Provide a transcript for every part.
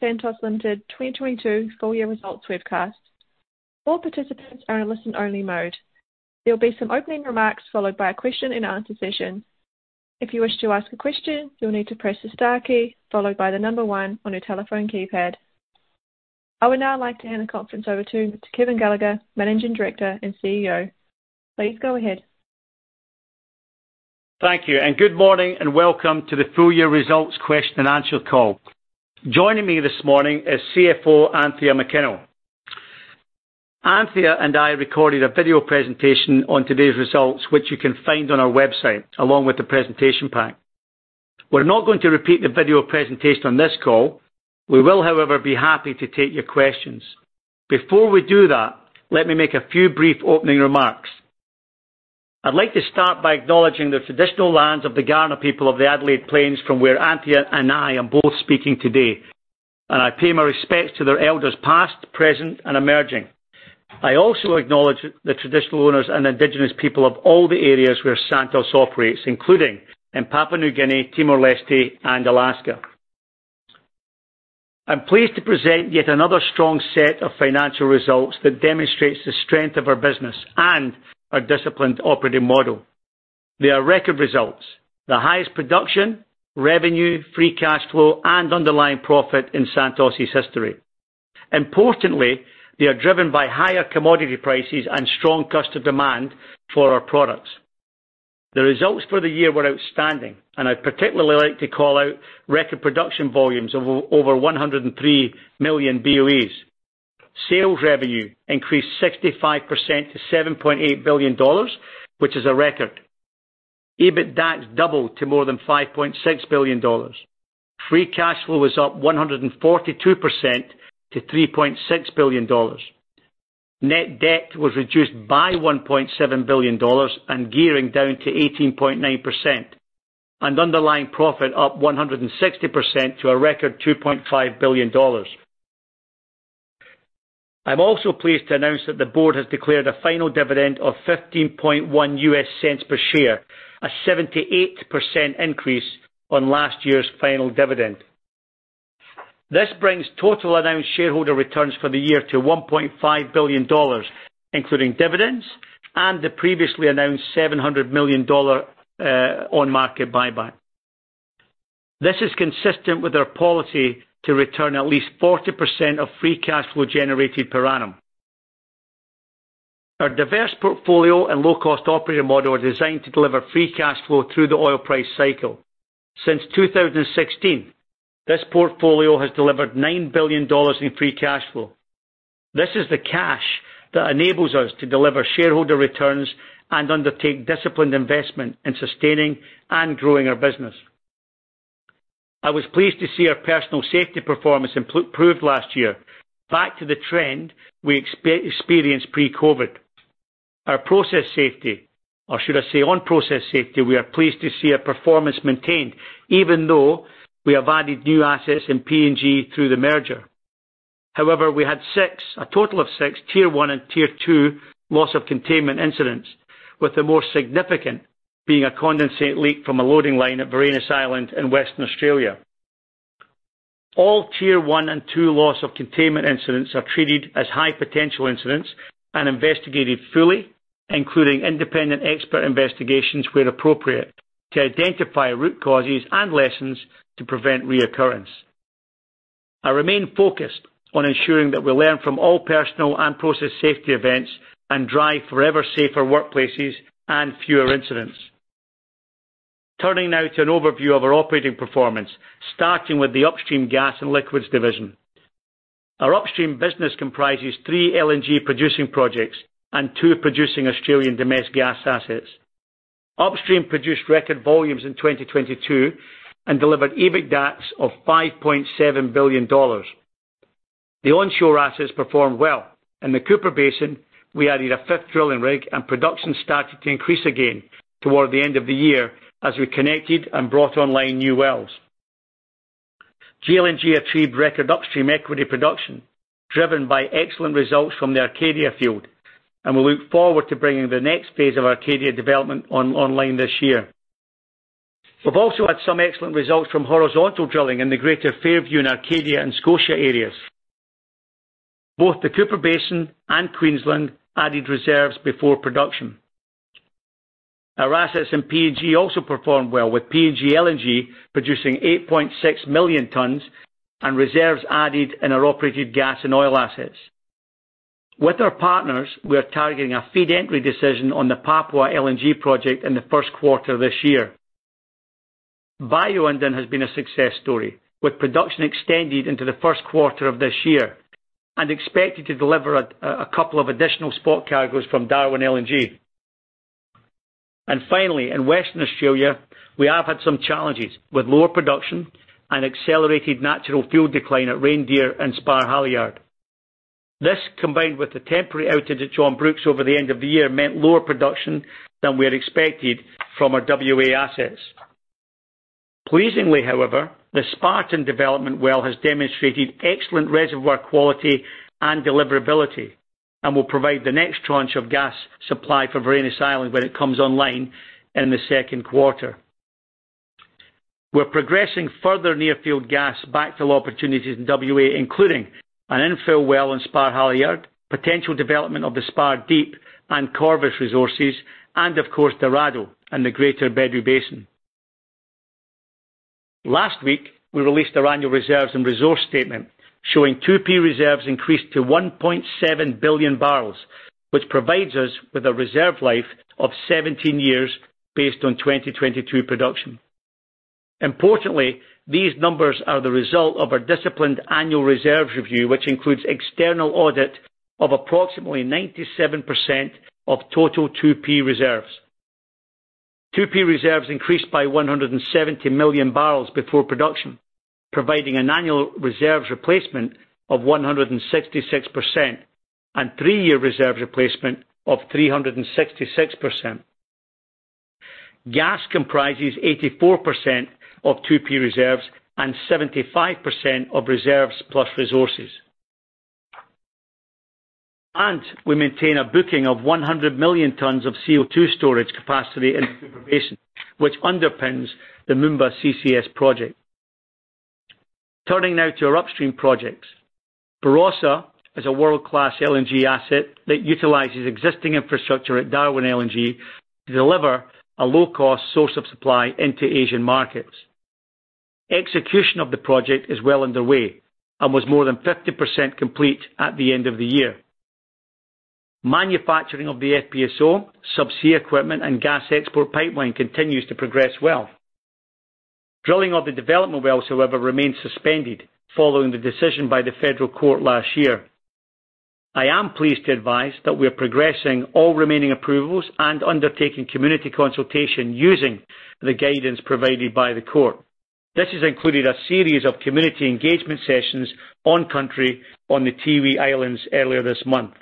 Santos Limited 2022 full year results webcast. All participants are in listen only mode. There will be some opening remarks followed by a question and answer session. If you wish to ask a question, you'll need to press the star key followed by one on your telephone keypad. I would now like to hand the conference over to Kevin Gallagher, Managing Director and CEO. Please go ahead. Thank you and good morning, and welcome to the full year results question and answer call. Joining me this morning is CFO Anthea McKinnell. Anthea and I recorded a video presentation on today's results, which you can find on our website along with the presentation pack. We're not going to repeat the video presentation on this call. We will, however, be happy to take your questions. Before we do that, let me make a few brief opening remarks. I'd like to start by acknowledging the traditional lands of the Kaurna people of the Adelaide Plains from where Anthea and I are both speaking today, and I pay my respects to their elders past, present, and emerging. I also acknowledge the traditional owners and indigenous people of all the areas where Santos operates, including in Papua New Guinea, Timor-Leste, and Alaska. I'm pleased to present yet another strong set of financial results that demonstrates the strength of our business and our disciplined operating model. They are record results. The highest production, revenue, free cash flow, and underlying profit in Santos' history. Importantly, they are driven by higher commodity prices and strong customer demand for our products. The results for the year were outstanding, and I'd particularly like to call out record production volumes of over 103 million Boes. Sales revenue increased 65% to $7.8 billion, which is a record. EBITDA doubled to more than $5.6 billion. Free cash flow was up 142% to $3.6 billion. Net debt was reduced by $1.7 billion and gearing down to 18.9%. Underlying profit up 160% to a record $2.5 billion. I'm also pleased to announce that the board has declared a final dividend of $0.151 per share, a 78% increase on last year's final dividend. This brings total announced shareholder returns for the year to $1.5 billion, including dividends and the previously announced $700 million on-market buyback. This is consistent with our policy to return at least 40% of free cash flow generated per annum. Our diverse portfolio and low-cost operating model are designed to deliver free cash flow through the oil price cycle. Since 2016, this portfolio has delivered $9 billion in free cash flow. This is the cash that enables us to deliver shareholder returns and undertake disciplined investment in sustaining and growing our business. I was pleased to see our personal safety performance improved last year back to the trend we experienced pre-COVID. Our process safety or should I say on process safety, we are pleased to see our performance maintained even though we have added new assets in PNG through the merger. However, we had six, a total of six Tier 1 and Tier 2 loss of containment incidents, with the more significant being a condensate leak from a loading line at Varanus Island in Western Australia. All Tier 1 and Tier 2 loss of containment incidents are treated as high potential incidents and investigated fully, including independent expert investigations where appropriate, to identify root causes and lessons to prevent reoccurrence. I remain focused on ensuring that we learn from all personal and process safety events and drive forever safer workplaces and fewer incidents. Turning now to an overview of our operating performance, starting with the Upstream Gas and Liquids Division. Our upstream business comprises three LNG producing projects and two producing Australian domestic gas assets. Upstream produced record volumes in 2022 and delivered EBITDA of $5.7 billion. The onshore assets performed well. In the Cooper Basin, we added a fifth drilling rig and production started to increase again toward the end of the year as we connected and brought online new wells. GLNG achieved record upstream equity production, driven by excellent results from the Arcadia field. We look forward to bringing the next phase of Arcadia development online this year. We've also had some excellent results from horizontal drilling in the greater Fairview and Arcadia and Scotia areas. Both the Cooper Basin and Queensland added reserves before production. Our assets in PNG also performed well, with PNG LNG producing 8.6 million tons and reserves added in our operated gas and oil assets. With our partners, we are targeting a FEED entry decision on the Papua LNG project in the first quarter this year. Bayu-Undan has been a success story, with production extended into the first quarter of this year and expected to deliver a couple of additional spot cargos from Darwin LNG. Finally, in Western Australia, we have had some challenges with lower production and accelerated natural fuel decline at Reindeer and Spar-Halyard. This, combined with the temporary outage at John Brookes over the end of the year, meant lower production than we had expected from our WA assets. Pleasingly, however, the Spartan development well has demonstrated excellent reservoir quality and deliverability and will provide the next tranche of gas supply for Varanus Island when it comes online in the second quarter. We're progressing further near-field gas backfill opportunities in WA, including an infill well in Spar-Halyard, potential development of the Spar Deep and Corvus resources, and of course, Dorado and the Greater Bedout Basin. Last week, we released our annual reserves and resource statement showing 2P reserves increased to 1.7 billion barrels, which provides us with a reserve life of 17 years based on 2022 production. Importantly, these numbers are the result of our disciplined annual reserves review, which includes external audit of approximately 97% of total 2P reserves. 2P reserves increased by 170 million barrels before production, providing an annual reserves replacement of 166% and three-year reserve replacement of 366%. Gas comprises 84% of 2P reserves and 75% of reserves plus resources. We maintain a booking of 100 million tons of CO2 storage capacity in the Cooper Basin, which underpins the Moomba CCS project. Turning now to our upstream projects. Barossa is a world-class LNG asset that utilizes existing infrastructure at Darwin LNG to deliver a low-cost source of supply into Asian markets. Execution of the project is well underway and was more than 50% complete at the end of the year. Manufacturing of the FPSO, subsea equipment, and gas export pipeline continues to progress well. Drilling of the development wells, however, remains suspended following the decision by the federal court last year. I am pleased to advise that we are progressing all remaining approvals and undertaking community consultation using the guidance provided by the court. This has included a series of community engagement sessions on country on the Tiwi Islands earlier this month.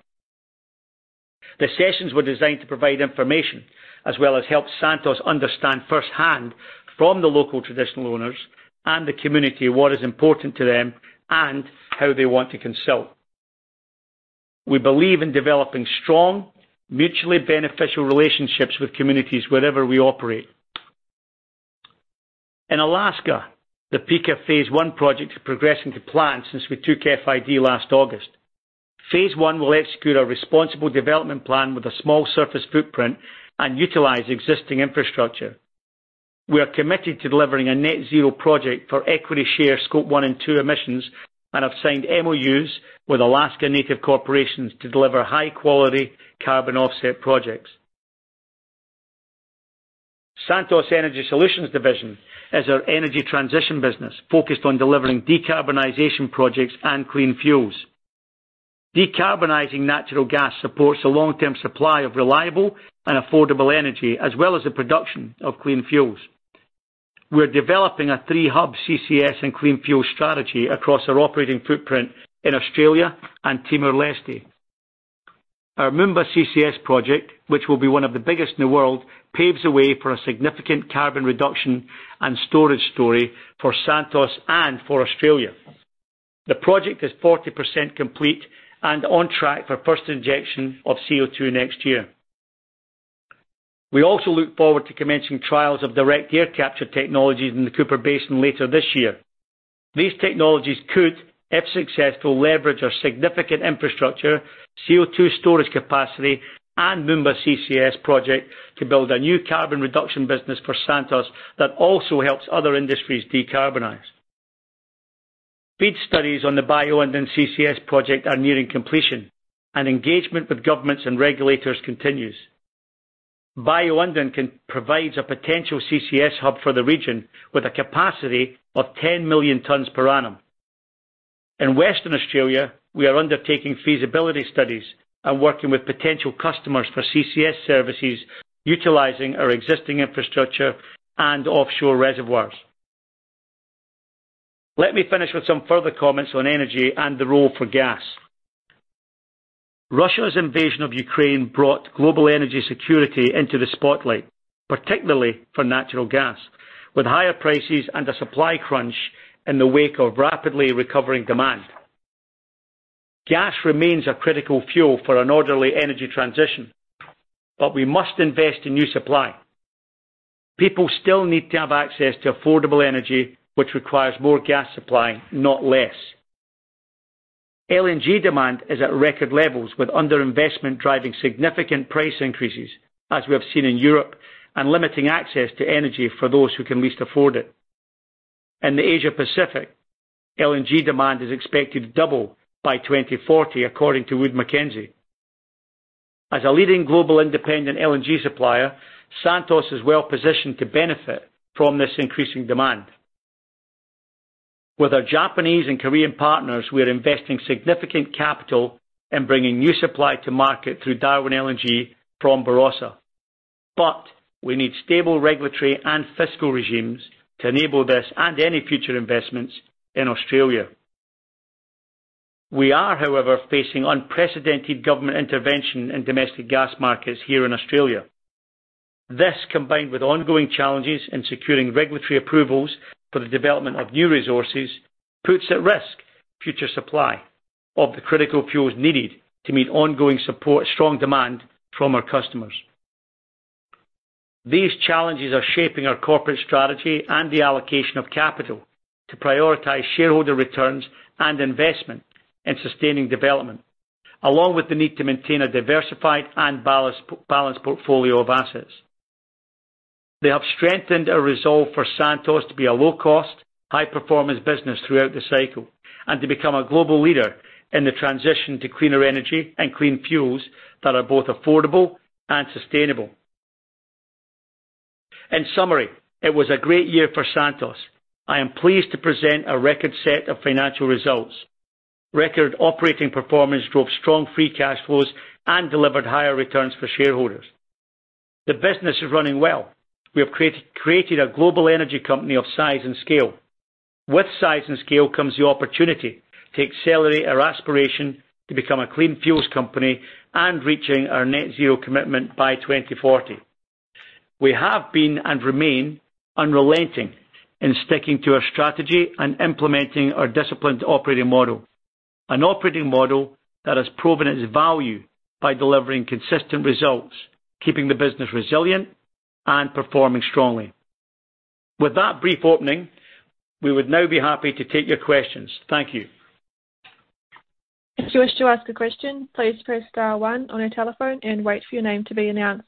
The sessions were designed to provide information as well as help Santos understand firsthand from the local traditional owners and the community what is important to them and how they want to consult. We believe in developing strong, mutually beneficial relationships with communities wherever we operate. In Alaska, the Pikka phase I project is progressing to plan since we took FID last August. Phase I will execute a responsible development plan with a small surface footprint and utilize existing infrastructure. We are committed to delivering a net zero project for equity share scope one and two emissions, and have signed MOUs with Alaska Native corporations to deliver high-quality carbon offset projects. Santos Energy Solutions division is our energy transition business focused on delivering decarbonization projects and clean fuels. Decarbonizing natural gas supports a long-term supply of reliable and affordable energy, as well as the production of clean fuels. We're developing a three hub CCS and clean fuel strategy across our operating footprint in Australia and Timor-Leste. Our Moomba CCS project, which will be one of the biggest in the world, paves the way for a significant carbon reduction and storage story for Santos and for Australia. The project is 40% complete and on track for first injection of CO2 next year. We also look forward to commencing trials of direct air capture technologies in the Cooper Basin later this year. These technologies could, if successful, leverage our significant infrastructure, CO2 storage capacity, and Moomba CCS project to build a new carbon reduction business for Santos that also helps other industries decarbonize. FEED studies on the Bayu-Undan CCS project are nearing completion. Engagement with governments and regulators continues. Bayu-Undan can provides a potential CCS hub for the region with a capacity of 10 million tons per annum. In Western Australia, we are undertaking feasibility studies and working with potential customers for CCS services, utilizing our existing infrastructure and offshore reservoirs. Let me finish with some further comments on energy and the role for gas. Russia's invasion of Ukraine brought global energy security into the spotlight, particularly for natural gas, with higher prices and a supply crunch in the wake of rapidly recovering demand. Gas remains a critical fuel for an orderly energy transition, but we must invest in new supply. People still need to have access to affordable energy, which requires more gas supply, not less. LNG demand is at record levels with underinvestment driving significant price increases, as we have seen in Europe, and limiting access to energy for those who can least afford it. In the Asia Pacific, LNG demand is expected to double by 2040, according to Wood Mackenzie. As a leading global independent LNG supplier, Santos is well positioned to benefit from this increasing demand. With our Japanese and Korean partners, we are investing significant capital in bringing new supply to market through Darwin LNG from Barossa. We need stable regulatory and fiscal regimes to enable this and any future investments in Australia. We are, however, facing unprecedented government intervention in domestic gas markets here in Australia. This combined with ongoing challenges in securing regulatory approvals for the development of new resources, puts at risk future supply of the critical fuels needed to meet ongoing support strong demand from our customers. These challenges are shaping our corporate strategy and the allocation of capital to prioritize shareholder returns and investment in sustaining development, along with the need to maintain a diversified and balanced portfolio of assets. They have strengthened our resolve for Santos to be a low cost, high-performance business throughout this cycle and to become a global leader in the transition to cleaner energy and clean fuels that are both affordable and sustainable. In summary, it was a great year for Santos. I am pleased to present a record set of financial results. Record operating performance drove strong free cash flows and delivered higher returns for shareholders. The business is running well. We have created a global energy company of size and scale. With size and scale comes the opportunity to accelerate our aspiration to become a clean fuels company and reaching our net zero commitment by 2040. We have been and remain unrelenting in sticking to our strategy and implementing our disciplined operating model. An operating model that has proven its value by delivering consistent results, keeping the business resilient and performing strongly. With that brief opening, we would now be happy to take your questions. Thank you. If you wish to ask a question, please press star one on your telephone and wait for your name to be announced.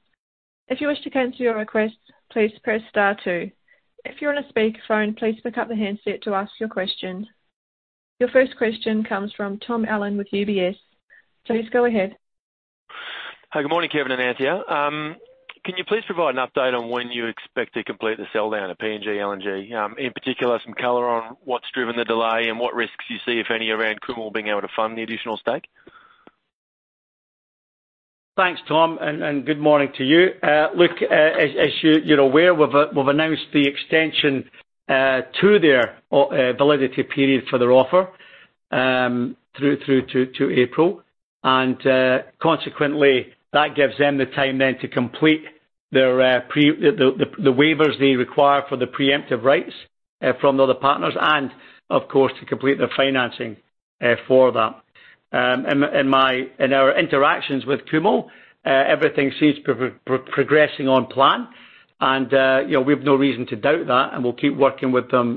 If you wish to cancel your request, please press star two. If you're on a speaker phone, please pick up the handset to ask your question. Your first question comes from Tom Allen with UBS. Please go ahead. Hi. Good morning, Kevin and Anthea. Can you please provide an update on when you expect to complete the sell down of PNG LNG? In particular, some color on what's driven the delay and what risks you see, if any, around Kumul being able to fund the additional stake? Thanks, Tom, and good morning to you. As you're aware, we've announced the extension to their validity period for their offer through to April. Consequently, that gives them the time then to complete their waivers they require for the preemptive rights from the other partners and of course, to complete their financing for that. In our interactions with Kumul, everything seems progressing on plan. You know, we have no reason to doubt that, and we'll keep working with them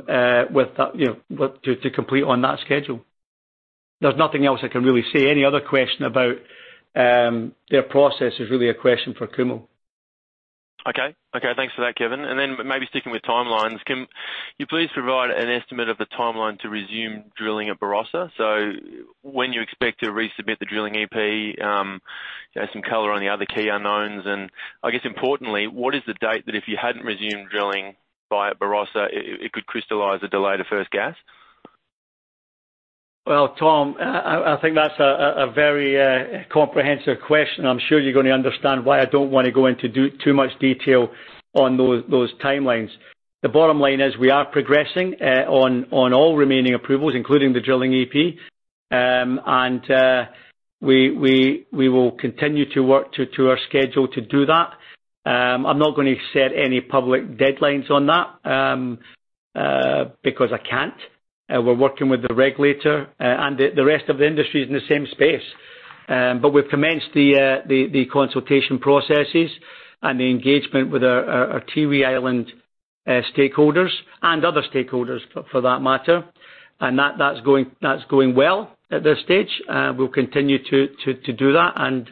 with that, you know, to complete on that schedule. There's nothing else I can really say. Any other question about their process is really a question for Kumul. Okay. Okay, thanks for that, Kevin. Then maybe sticking with timelines, can you please provide an estimate of the timeline to resume drilling at Barossa? So when you expect to resubmit the drilling AP, you know, some color on the other key unknowns. I guess importantly, what is the date that if you hadn't resumed drilling via Barossa, it could crystallize the delay to first gas? Well, Tom, I think that's a very comprehensive question. I'm sure you're gonna understand why I don't wanna go into too much detail on those timelines. The bottom line is we are progressing on all remaining approvals, including the drilling AP. We will continue to work to our schedule to do that. I'm not gonna set any public deadlines on that because I can't. We're working with the regulator and the rest of the industry is in the same space. We've commenced the consultation processes and the engagement with our Tiwi Island stakeholders and other stakeholders for that matter. That's going well at this stage. We'll continue to do that and,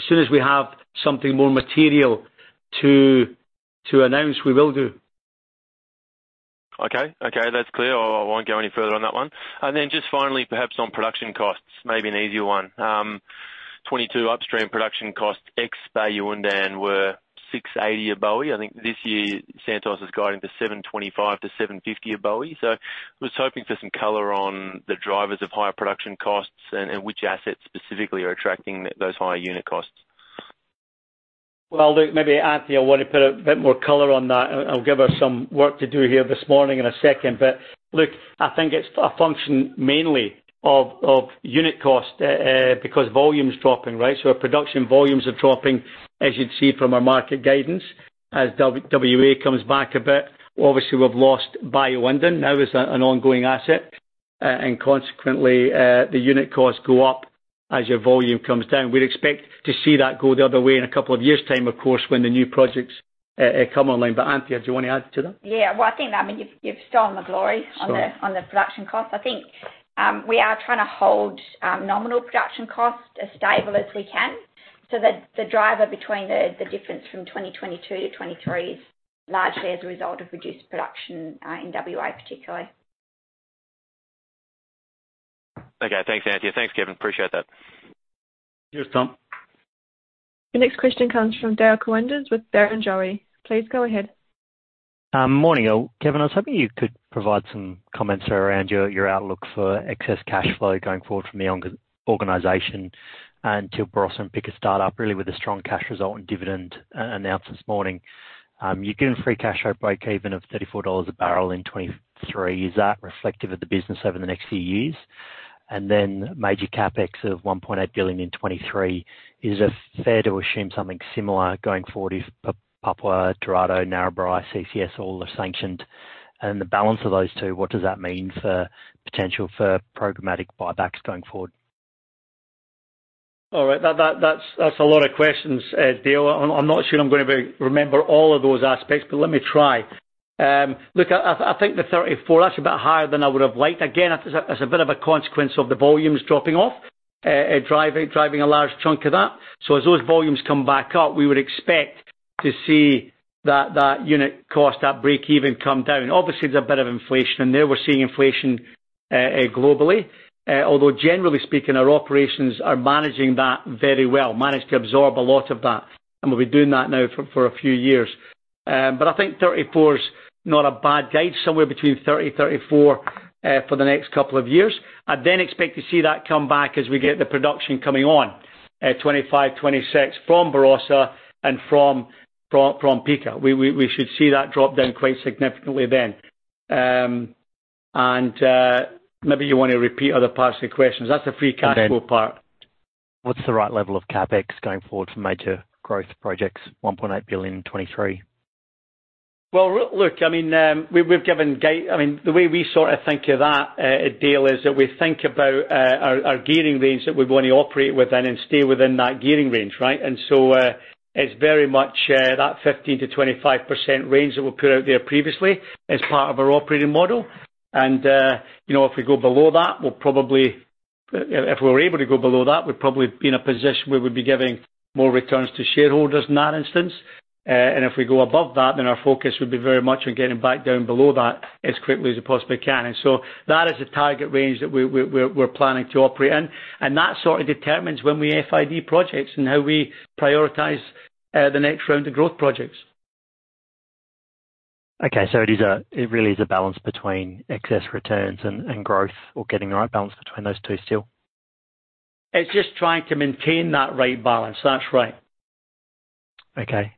as soon as we have something more material to announce, we will do. Okay. Okay, that's clear. I won't go any further on that one. Just finally, perhaps on production costs, maybe an easier one. 2022 upstream production costs, ex-Bayu-Undan were $6.80 a Boe. I think this year Santos is guiding for $7.25-$7.50 a Boe. I was hoping for some color on the drivers of higher production costs and which assets specifically are attracting those higher unit costs. Well, look, maybe Anthea will wanna put a bit more color on that. I'll give her some work to do here this morning in a second. Look, I think it's a function mainly of unit cost, because volume is dropping, right? Our production volumes are dropping, as you'd see from our market guidance. As WA comes back a bit, obviously, we've lost Bayu-Undan now as an ongoing asset, and consequently, the unit costs go up as your volume comes down. We'd expect to see that go the other way in a couple of years' time, of course, when the new projects come online. Anthea, do you wanna add to that? Yeah. Well, I think, I mean, you've stolen the glory- Sorry. on the production cost. I think, we are trying to hold nominal production cost as stable as we can. The driver between the difference from 2022 to 2023 is largely as a result of reduced production in WA, particularly. Okay. Thanks, Anthea. Thanks, Kevin. Appreciate that. Cheers, Tom. The next question comes from Dale Koenders with Barrenjoey. Please go ahead. Morning, Kevin. I was hoping you could provide some comments around your outlook for excess cash flow going forward from the organization until Barossa and Pikka start up, really with a strong cash result and dividend announced this morning. You're giving free cash flow breakeven of $34 a barrel in 2023. Is that reflective of the business over the next few years? Major CapEx of $1.8 billion in 2023. Is it fair to assume something similar going forward if Papua, Dorado, Narrabri, CCS all are sanctioned? The balance of those two, what does that mean for potential for programmatic buybacks going forward? All right. That's a lot of questions, Dale. I'm not sure I'm gonna be remember all of those aspects, but let me try. Look, I think the 34, that's a bit higher than I would have liked. Again, it's a bit of a consequence of the volumes dropping off, driving a large chunk of that. As those volumes come back up, we would expect to see that unit cost, that break-even come down. Obviously, there's a bit of inflation, and there we're seeing inflation globally. Although generally speaking, our operations are managing that very well. Managed to absorb a lot of that, and we'll be doing that now for a few years. I think 34 is not a bad guide, somewhere between 30, 34 for the next couple of years. I'd expect to see that come back as we get the production coming on at 25, 26 from Barossa and from Pikka. We should see that drop down quite significantly then. Maybe you wanna repeat other parts of the questions. That's a free cash flow part. What's the right level of CapEx going forward for major growth projects, $1.8 billion in 2023? Well, I mean, we've given I mean, the way we sort of think of that, Dale, is that we think about our gearing range that we wanna operate within and stay within that gearing range, right? It's very much that 15%-25% range that we put out there previously as part of our operating model. You know, if we go below that, if we were able to go below that, we'd probably be in a position where we'd be giving more returns to shareholders in that instance. If we go above that, then our focus would be very much on getting back down below that as quickly as we possibly can. That is a target range that we're planning to operate in. That sort of determines when we FID projects and how we prioritize, the next round of growth projects. It really is a balance between excess returns and growth or getting the right balance between those two still. It's just trying to maintain that right balance. That's right. Okay.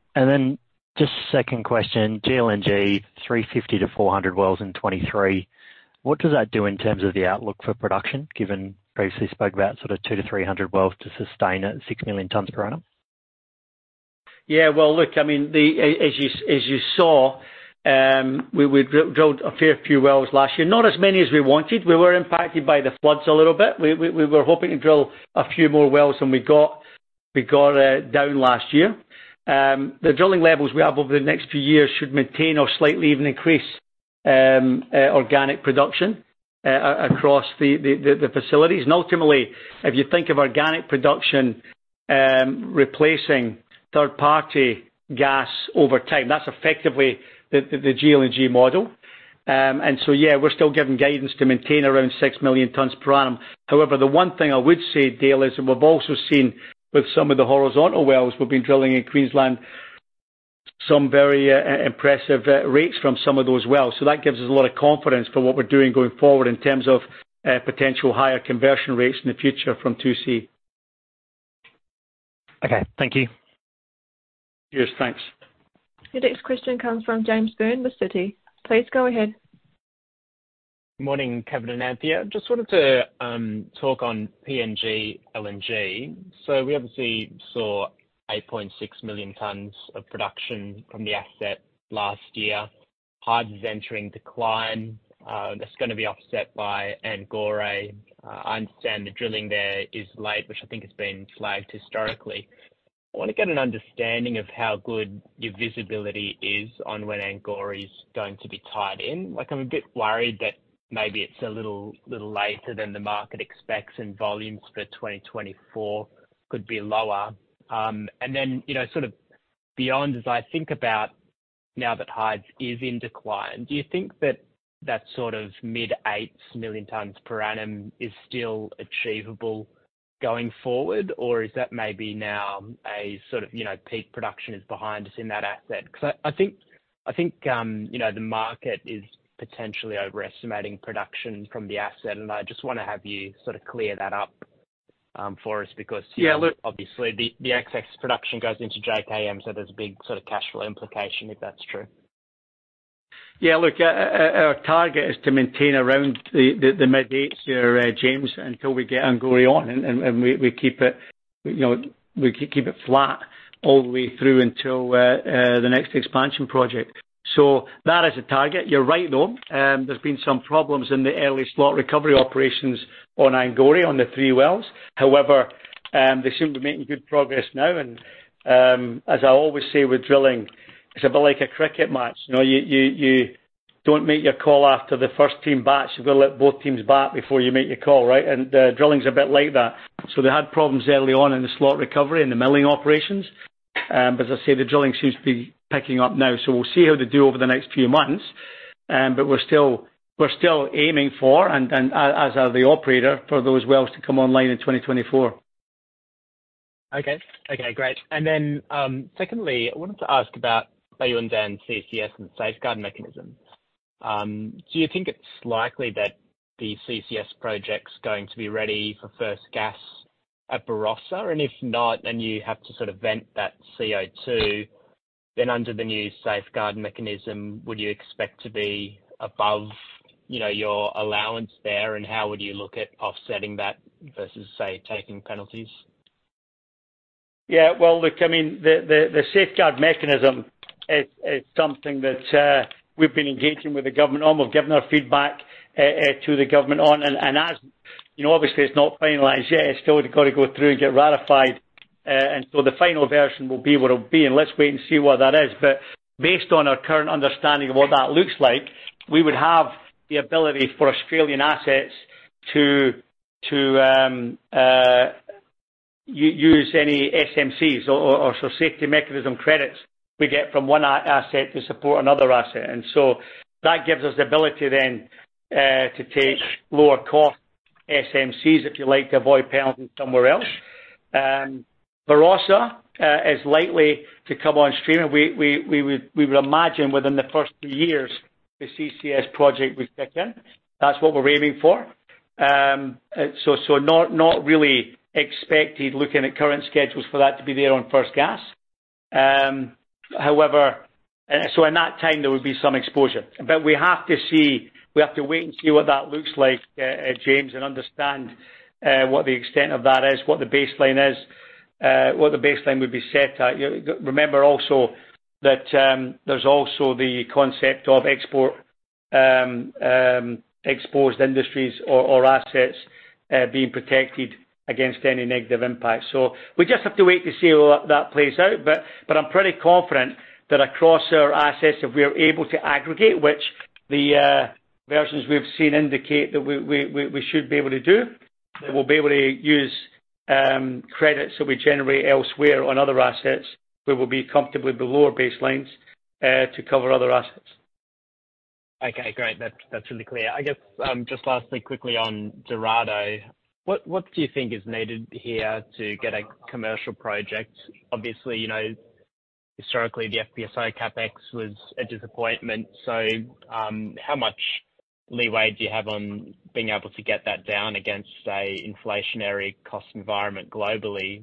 Just second question. GLNG, 350-400 wells in 2023. What does that do in terms of the outlook for production, given you previously spoke about sort of 200-300 wells to sustain at 6 million tons per annum? Yeah. Well, look, I mean, as you saw, we drilled a fair few wells last year. Not as many as we wanted. We were impacted by the floods a little bit. We were hoping to drill a few more wells than we got down last year. The drilling levels we have over the next few years should maintain or slightly even increase organic production across the facilities. Ultimately, if you think of organic production, replacing third-party gas over time, that's effectively the GLNG model. Yeah, we're still giving guidance to maintain around 6 million tons per annum. The one thing I would say, Dale, is that we've also seen with some of the horizontal wells we've been drilling in Queensland, some very impressive rates from some of those wells. That gives us a lot of confidence for what we're doing going forward in terms of potential higher conversion rates in the future from 2C. Okay. Thank you. Cheers. Thanks. Your next question comes from James Byrne with Citi. Please go ahead. Morning, Kevin and Anthea. Just wanted to talk on PNG LNG. We obviously saw 8.6 million tons of production from the asset last year. Hides is entering decline. That's gonna be offset by Angore. I understand the drilling there is late, which I think has been flagged historically. I wanna get an understanding of how good your visibility is on when Angore is going to be tied in. Like, I'm a bit worried that maybe it's a little later than the market expects, and volumes for 2024 could be lower. You know, sort of beyond, as I think about now that Hides is in decline, do you think that that sort of mid-8 million tons per annum is still achievable going forward? is that maybe now a sort of, you know, peak production is behind us in that asset? I think, you know, the market is potentially overestimating production from the asset, and I just wanna have you sort of clear that up for us. Yeah. Obviously the excess production goes into JKM. There's a big sort of cash flow implication if that's true. Yeah. Look, our target is to maintain around the mid-eights here, James, until we get Angore on and we keep it, you know, we keep it flat all the way through until the next expansion project. That is a target. You're right, though, there's been some problems in the early slot recovery operations on Angore on the three wells. However, they seem to be making good progress now. As I always say with drilling, it's a bit like a cricket match. You know, you don't make your call after the first team bats. You've got to let both teams bat before you make your call, right? Drilling's a bit like that. They had problems early on in the slot recovery and the milling operations. As I say, the drilling seems to be picking up now. We'll see how they do over the next few months. We're still aiming for, and as are the operator, for those wells to come online in 2024. Okay. Okay, great. Secondly, I wanted to ask about Bayu-Undan CCS and Safeguard Mechanisms. Do you think it's likely that the CCS project's going to be ready for first gas at Barossa, and if not, then you have to sort of vent that CO2. Under the new Safeguard Mechanism, would you expect to be above, you know, your allowance there, and how would you look at offsetting that versus, say, taking penalties? Well, I mean, the Safeguard Mechanism is something that we've been engaging with the government on. We've given our feedback to the government on. As you know, obviously, it's not finalized yet. It's still got to go through and get ratified. The final version will be what it'll be. Let's wait and see what that is. Based on our current understanding of what that looks like, we would have the ability for Australian assets to use any SMCs or Safeguard Mechanism Credits we get from one asset to support another asset. That gives us the ability then to take lower cost SMCs, if you like, to avoid penalties somewhere else. Barossa is likely to come on stream, and we would imagine within the first three years the CCS project will kick in. That's what we're aiming for. Not really expected, looking at current schedules for that to be there on first gas. However, in that time there would be some exposure. We have to see, we have to wait and see what that looks like, James, and understand what the extent of that is, what the baseline is, what the baseline would be set at. Remember also that there's also the concept of export exposed industries or assets being protected against any negative impact. We just have to wait to see how that plays out. I'm pretty confident that across our assets, if we're able to aggregate, which the versions we've seen indicate that we should be able to do, that we'll be able to use credits that we generate elsewhere on other assets, we will be comfortably below our baselines to cover other assets. Okay, great. That's really clear. I guess, just lastly, quickly on Dorado. What, what do you think is needed here to get a commercial project? Obviously, you know, historically, the FPSO CapEx was a disappointment. How much leeway do you have on being able to get that down against, say, inflationary cost environment globally?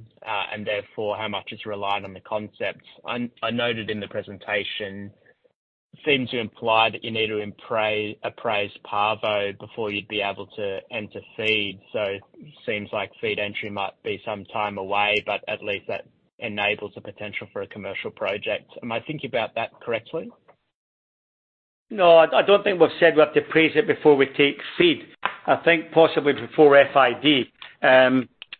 Therefore, how much is reliant on the concept? I noted in the presentation seemed to imply that you need to appraise Pavo before you'd be able to enter FEED. Seems like FEED entry might be some time away, but at least that enables the potential for a commercial project. Am I thinking about that correctly? I don't think we've said we have to appraise it before we take FEED. I think possibly before FID.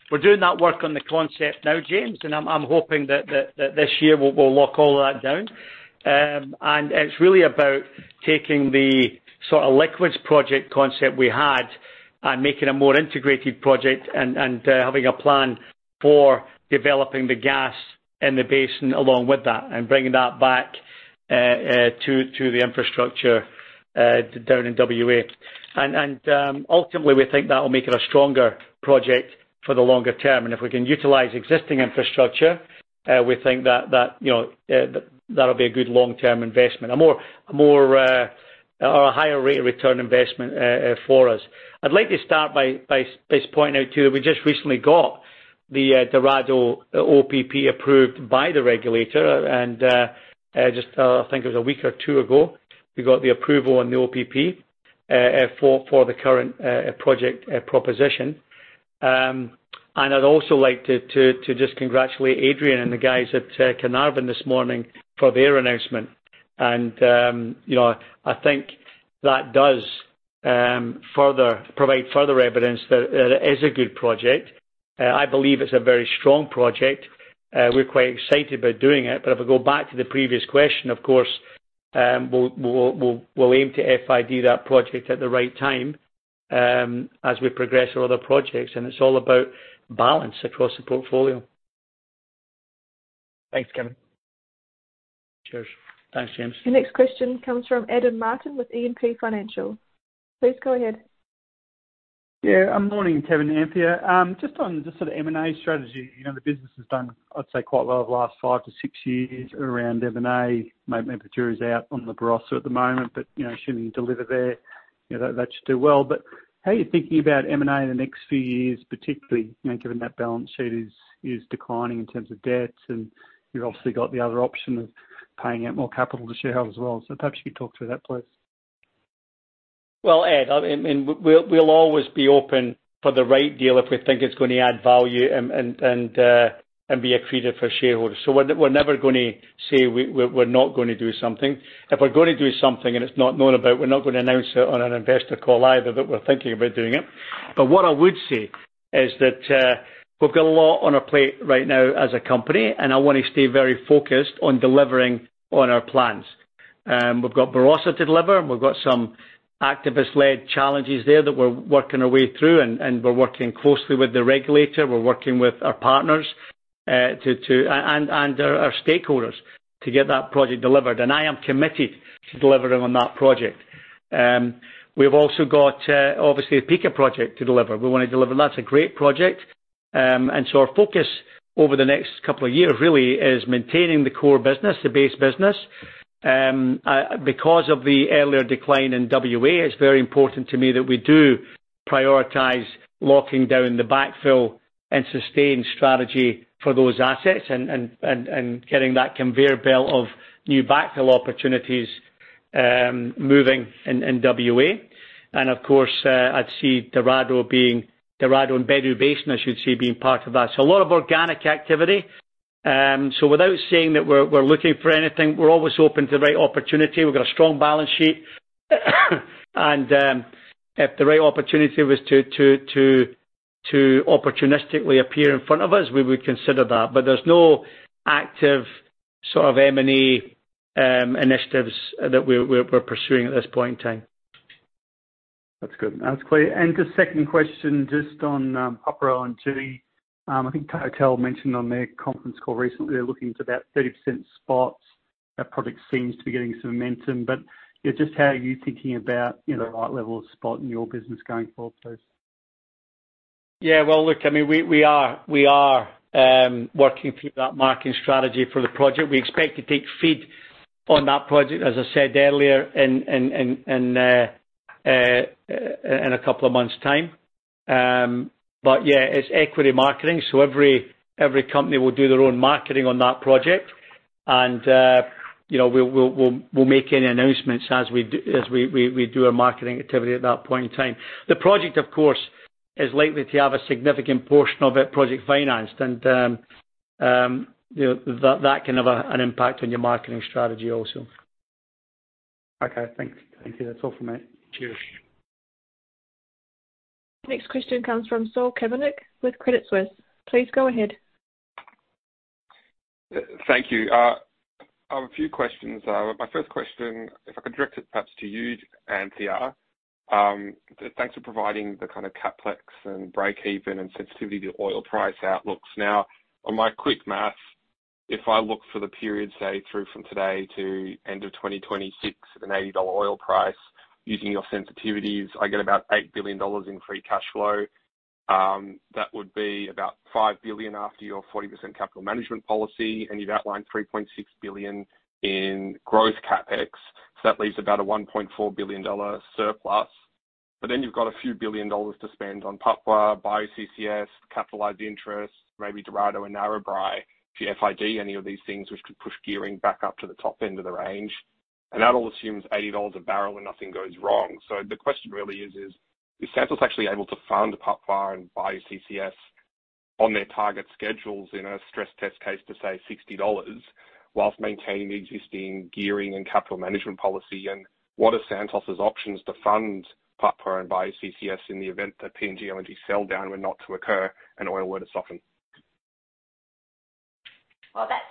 We're doing that work on the concept now, James, and I'm hoping that this year we'll lock all of that down. It's really about taking the sort of liquids project concept we had and making a more integrated project and having a plan for developing the gas in the basin along with that and bringing that back to the infrastructure down in WA. Ultimately, we think that'll make it a stronger project for the longer term. If we can utilize existing infrastructure, we think that, you know, that'll be a good long-term investment. A more, or a higher rate of return investment for us. I'd like to start by pointing out, too, we just recently got the Dorado OPP approved by the regulator. Just, I think it was a week or two ago, we got the approval on the OPP for the current project proposition. I'd also like to just congratulate Adrian and the guys at Carnarvon this morning for their announcement. You know, I think that does provide further evidence that it is a good project. I believe it's a very strong project. We're quite excited about doing it. If I go back to the previous question, of course, we'll aim to FID that project at the right time as we progress our other projects, it's all about balance across the portfolio. Thanks, Kevin. Cheers. Thanks, James. The next question comes from Adam Martin with E&P Financial. Please go ahead. Morning, Kevin, Anthea. Just on the sort of M&A strategy. You know, the business has done, I'd say, quite well the last five to six years around M&A. Maybe the jury's out on the Barossa at the moment, but, you know, shouldn't deliver there. You know, that should do well. How are you thinking about M&A in the next few years, particularly, you know, given that balance sheet is declining in terms of debts, and you've obviously got the other option of paying out more capital to shareholders as well. Perhaps you could talk through that, please. Well, Ed, I mean, we'll always be open for the right deal if we think it's gonna add value and, and be accretive for shareholders. We're never gonna say we're not gonna do something. If we're gonna do something and it's not known about, we're not gonna announce it on an investor call either that we're thinking about doing it. What I would say is that we've got a lot on our plate right now as a company, and I wanna stay very focused on delivering on our plans. We've got Barossa to deliver, and we've got some activist-led challenges there that we're working our way through. We're working closely with the regulator, we're working with our partners, and our stakeholders to get that project delivered. I am committed to delivering on that project. We've also got obviously the Pikka project to deliver. We wanna deliver. That's a great project. Our focus over the next couple of years really is maintaining the core business, the base business. Because of the earlier decline in WA, it's very important to me that we do prioritize locking down the backfill and sustain strategy for those assets and getting that conveyor belt of new backfill opportunities moving in in WA. I'd see Dorado and Bedout Basin, I should say, being part of that. A lot of organic activity. Without saying that we're looking for anything, we're always open to the right opportunity. We've got a strong balance sheet. If the right opportunity was to opportunistically appear in front of us, we would consider that. There's no active sort of M&A initiatives that we're pursuing at this point in time. That's good. That's clear. The second question, just on Papua LNG. I think TotalEnergies mentioned on their conference call recently, they're looking to about 30% spots. That product seems to be getting some momentum. Just how are you thinking about, you know, the right level of spot in your business going forward, please? Yeah, well, look, I mean, we are working through that marketing strategy for the project. We expect to take FEED on that project, as I said earlier in a couple of months' time. Yeah, it's equity marketing, so every company will do their own marketing on that project. You know, we'll make any announcements as we do our marketing activity at that point in time. The project, of course, is likely to have a significant portion of it project financed. You know, that can have an impact on your marketing strategy also. Okay. Thanks. Thank you. That's all from me. Cheers. Next question comes from Saul Kavonic with Credit Suisse. Please go ahead. Thank you. I have a few questions. My first question, if I could direct it perhaps to you, Anthea. Thanks for providing the kind of CapEx and breakeven and sensitivity to oil price outlooks. On my quick maths, if I look for the period, say through from today to end of 2026 at an $80 oil price using your sensitivities, I get about $8 billion in free cash flow. That would be about $5 billion after your 40% capital management policy, you've outlined $3.6 billion in growth CapEx. That leaves about a $1.4 billion surplus. You've got a few billion dollars to spend on Papua, Bayu CCS, capitalized interest, maybe Dorado and Narrabri, GFID, any of these things which could push gearing back up to the top end of the range. That all assumes $80 a barrel and nothing goes wrong. The question really is if Santos actually able to fund Papua and Bayu CCS on their target schedules in a stress test case to, say, $60, whilst maintaining the existing gearing and capital management policy? What are Santos' options to fund Papua and Bayu CCS in the event that PNG energy sell down were not to occur and oil were to soften? Well, that's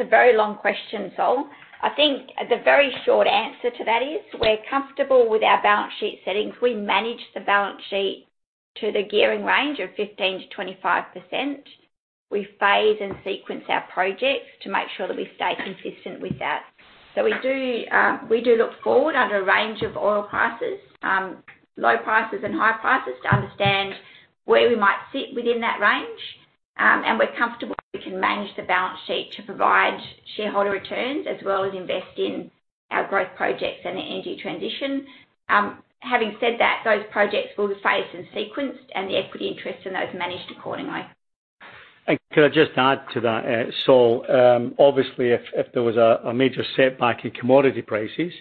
a very long question, Saul. I think the very short answer to that is we're comfortable with our balance sheet settings. We manage the balance sheet to the gearing range of 15%-25%. We phase and sequence our projects to make sure that we stay consistent with that. We do look forward under a range of oil prices, low prices and high prices, to understand where we might sit within that range. We're comfortable we can manage the balance sheet to provide shareholder returns as well as invest in our growth projects and the energy transition. Having said that, those projects will be phased and sequenced and the equity interest in those managed accordingly. Could I just add to that, Saul, obviously, if there was a major setback in commodity prices,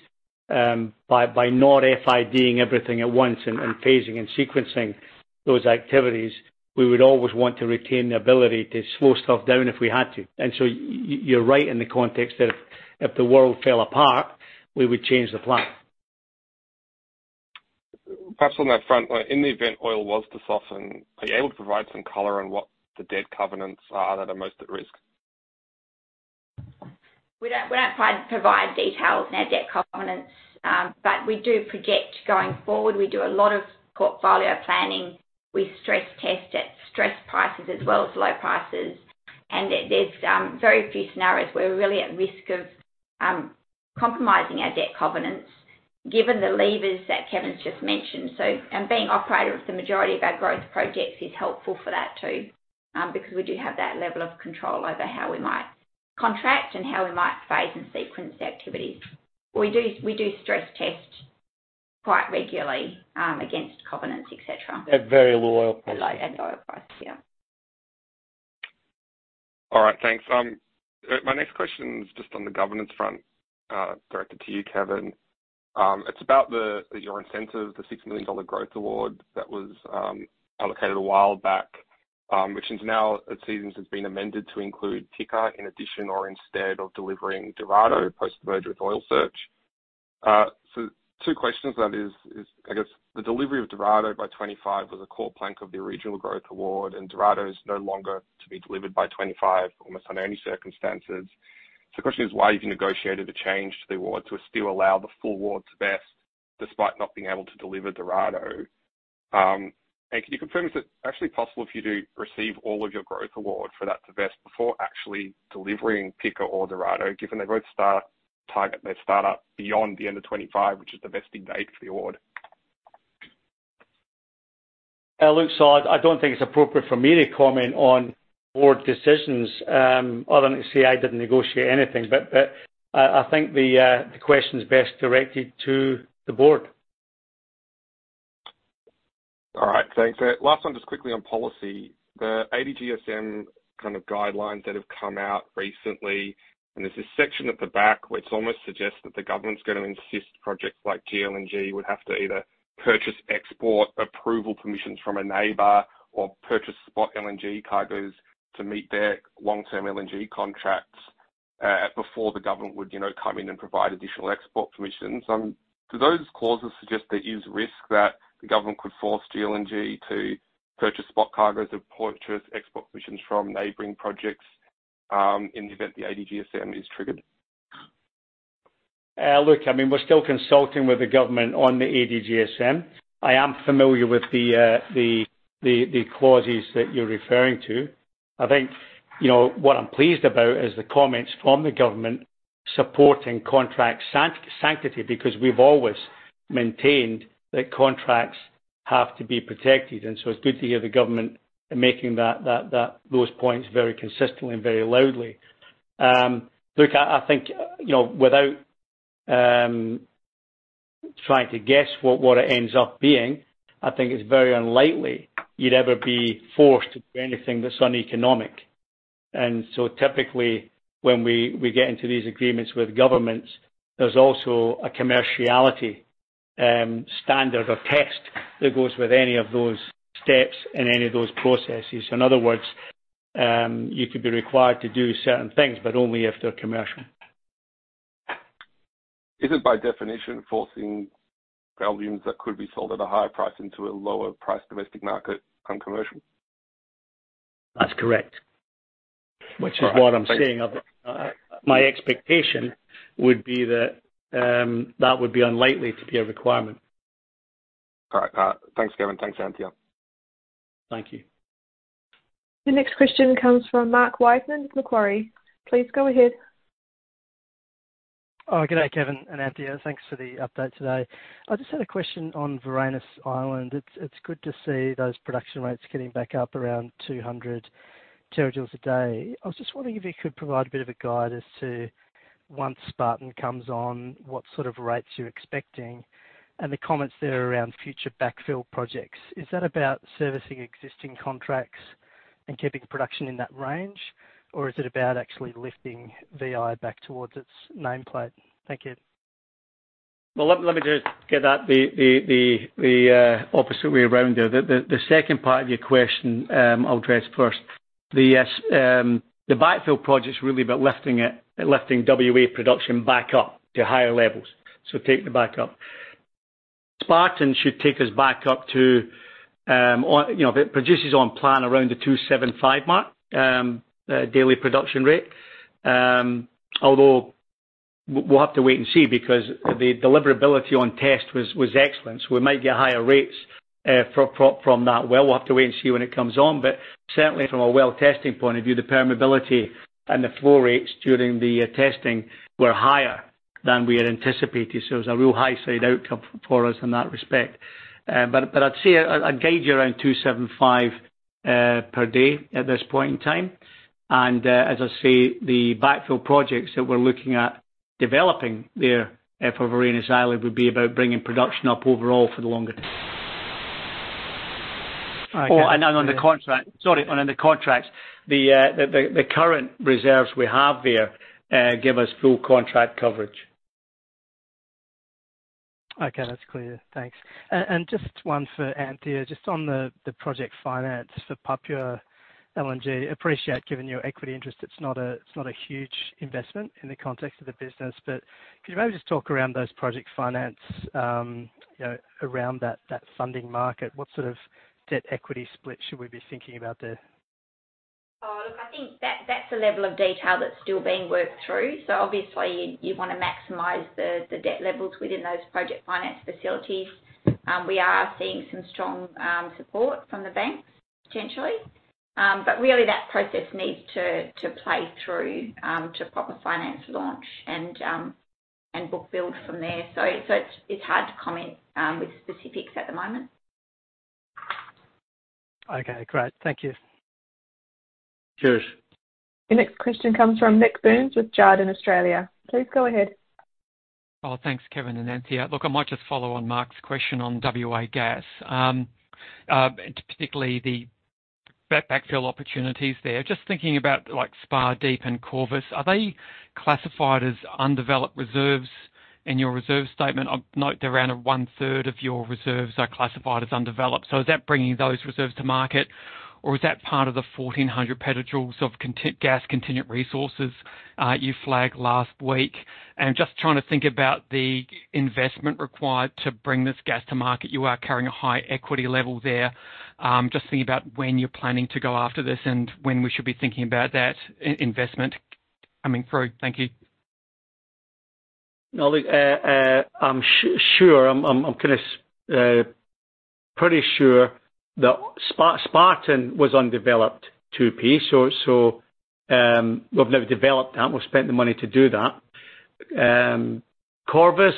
by not FID-ing everything at once and phasing and sequencing those activities, we would always want to retain the ability to slow stuff down if we had to. You're right in the context that if the world fell apart, we would change the plan. Perhaps on that front, like in the event oil was to soften, are you able to provide some color on what the debt covenants are that are most at risk? We don't provide details on our debt covenants, but we do project going forward. We do a lot of portfolio planning. We stress test at stress prices as well as low prices. There's very few scenarios where we're really at risk of compromising our debt covenants, given the levers that Kevin's just mentioned. Being operator of the majority of our growth projects is helpful for that too, because we do have that level of control over how we might contract and how we might phase and sequence the activities. We do stress test quite regularly against covenants, et cetera. At very low oil prices. At low oil prices, yeah. All right. Thanks. My next question is just on the governance front, directed to you, Kevin. It's about your incentive, the $6 million growth award that was allocated a while back, which is now it seems has been amended to include Pikka in addition or instead of delivering Dorado post-merger with Oil Search. Two questions on that is, I guess the delivery of Dorado by 25 was a core plank of the original growth award, and Dorado is no longer to be delivered by 25 almost under any circumstances. The question is why you've negotiated a change to the award to still allow the full award to vest despite not being able to deliver Dorado? Can you confirm, is it actually possible for you to receive all of your growth award for that to vest before actually delivering Pikka or Dorado, given they both target their start-up beyond the end of 25, which is the vesting date for the award? look, I don't think it's appropriate for me to comment on board decisions, other than to say I didn't negotiate anything. I think the question is best directed to the board. All right. Thanks. Last one, just quickly on policy. The ADGSM kind of guidelines that have come out recently, and there's a section at the back which almost suggests that the government's gonna insist projects like GLNG would have to either purchase export approval permissions from a neighbor or purchase spot LNG cargos to meet their long-term LNG contracts, before the government would, you know, come in and provide additional export permission. Do those clauses suggest there is risk that the government could force GLNG to purchase spot cargos or purchase export permissions from neighboring projects, in the event the ADGSM is triggered? Look, I mean, we're still consulting with the government on the ADGSM. I am familiar with the clauses that you're referring to. I think, you know, what I'm pleased about is the comments from the government supporting contract sanctity because we've always maintained that contracts have to be protected. It's good to hear the government making those points very consistently and very loudly. Look, I think, you know, without trying to guess what it ends up being, I think it's very unlikely you'd ever be forced to do anything that's uneconomic. Typically when we get into these agreements with governments, there's also a commerciality standard or test that goes with any of those steps in any of those processes. In other words, you could be required to do certain things, but only if they're commercial. Is it by definition, forcing volumes that could be sold at a higher price into a lower price domestic market uncommercial? That's correct. All right. Which is what I'm saying. My expectation would be that would be unlikely to be a requirement. All right. Thanks, Kevin. Thanks, Anthea. Thank you. The next question comes from Mark Wilson with Macquarie. Please go ahead. Oh, g'day, Kevin and Anthea. Thanks for the update today. I just had a question on Varanus Island. It's good to see those production rates getting back up around 200 terajoules a day. I was just wondering if you could provide a bit of a guide as to once Spartan comes on, what sort of rates you're expecting, and the comments there around future backfill projects. Is that about servicing existing contracts and keeping production in that range, or is it about actually lifting VI back towards its nameplate? Thank you. Let me just get at the opposite way around there. The second part of your question, I'll address first. The backfill project's really about lifting it, lifting WA production back up to higher levels. Take the back up. Spar-Halyard should take us back up to, you know, if it produces on plan around the 275 mark, daily production rate. Although we'll have to wait and see because the deliverability on test was excellent. We might get higher rates from that well. We'll have to wait and see when it comes on. Certainly from a well testing point of view, the permeability and the flow rates during the testing were higher than we had anticipated. It's a real high side outcome for us in that respect. But I'd say a guide year around 275 per day at this point in time. As I say, the backfill projects that we're looking at developing there for Varanus Island would be about bringing production up overall for the longer term. Okay. On the contract. Sorry. On the contracts. The current reserves we have there give us full contract coverage. Okay, that's clear. Thanks. Just one for Anthea, just on the project finance for Papua LNG. Appreciate given your equity interest, it's not a huge investment in the context of the business. Could you maybe just talk around those project finance, you know, around that funding market, what sort of debt equity split should we be thinking about there? Look, I think that's a level of detail that's still being worked through. Obviously you wanna maximize the debt levels within those project finance facilities. We are seeing some strong support from the bank potentially. Really that process needs to play through to proper finance launch and book build from there. It's hard to comment with specifics at the moment. Okay, great. Thank you. Cheers. The next question comes from Nik Burns with Jarden Australia. Please go ahead. Thanks Kevin and Anthea. Look, I might just follow on Mark's question on WA Gas, and particularly the backfill opportunities there. Just thinking about like Spar Deep and Corvus, are they classified as undeveloped reserves in your reserve statement? I note they're around a one-third of your reserves are classified as undeveloped. Is that bringing those reserves to market or is that part of the 1,400 petajoules of gas continued resources you flagged last week? Just trying to think about the investment required to bring this gas to market. You are carrying a high equity level there. Just thinking about when you're planning to go after this and when we should be thinking about that investment coming through. Thank you. No, look, I'm sure, I'm kinda pretty sure that Spartan was undeveloped 2P. We've never developed that. We've spent the money to do that. Corvus,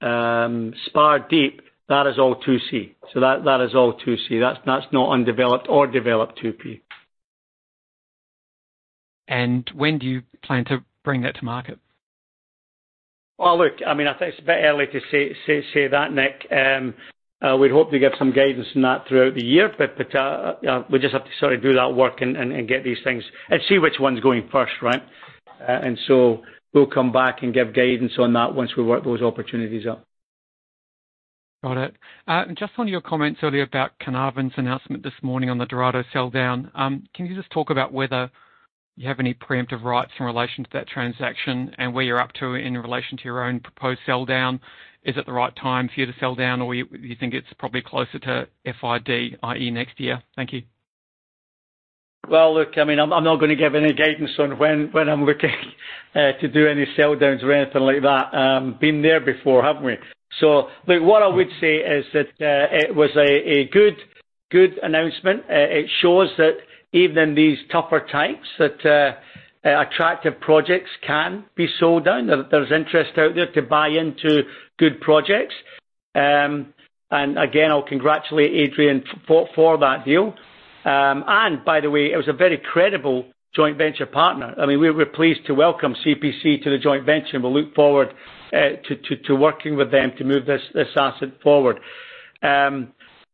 Spar Deep, that is all 2C. That is all 2C. That's not undeveloped or developed 2P. When do you plan to bring that to market? Well, look, I mean, I think it's a bit early to say that, Nick. We hope to give some guidance on that throughout the year, but, we just have to sort of do that work and get these things and see which one's going first, right? We'll come back and give guidance on that once we work those opportunities out. Got it. just on your comments earlier about Carnarvon's announcement this morning on the Dorado sell down. can you just talk about whether you have any preemptive rights in relation to that transaction and where you're up to in relation to your own proposed sell down? Is it the right time for you to sell down, or you think it's probably closer to FID, i.e., next year? Thank you. Well, look, I mean, I'm not gonna give any guidance on when I'm looking to do any sell downs or anything like that. Been there before, haven't we? What I would say is that it was a good announcement. It shows that even in these tougher times that attractive projects can be sold down. There's interest out there to buy into good projects. Again, I'll congratulate Adrian for that deal. By the way, it was a very credible joint venture partner. I mean, we're pleased to welcome CPC to the joint venture, we'll look forward to working with them to move this asset forward.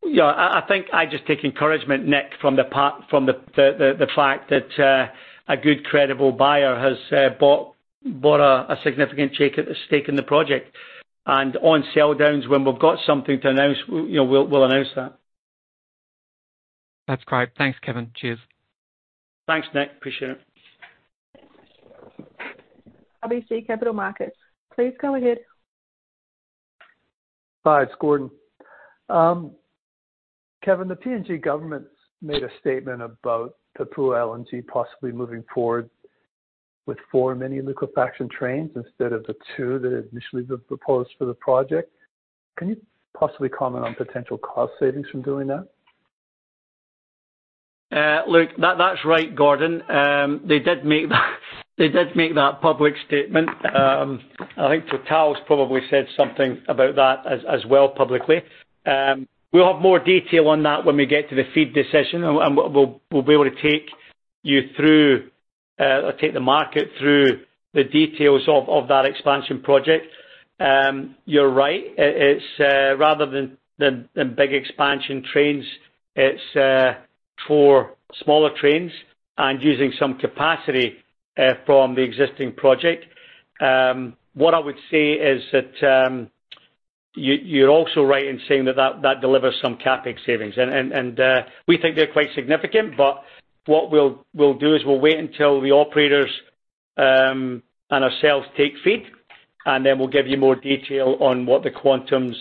You know, I think I just take encouragement, Nick, from the fact that a good credible buyer has bought a significant stake in the project. On sell downs, when we've got something to announce, we, you know, we'll announce that. That's great. Thanks, Kevin. Cheers. Thanks, Nik. Appreciate it. RBC Capital Markets, please go ahead. Hi, it's Gordon. Kevin, the PNG government made a statement about Papua LNG possibly moving forward with four mini-liquefaction trains instead of the two that initially were proposed for the project. Can you possibly comment on potential cost savings from doing that? Look, that's right, Gordon. They did make that public statement. I think TotalEnergies' probably said something about that as well publicly. We'll have more detail on that when we get to the FEED decision and we'll be able to take you through, take the market through the details of that expansion project. You're right. It is, rather than the big expansion trains, it's four smaller trains and using some capacity from the existing project. What I would say is that, you're also right in saying that delivers some CapEx savings. We think they're quite significant, but what we'll do is we'll wait until the operators and ourselves take FEED, and then we'll give you more detail on what the quantums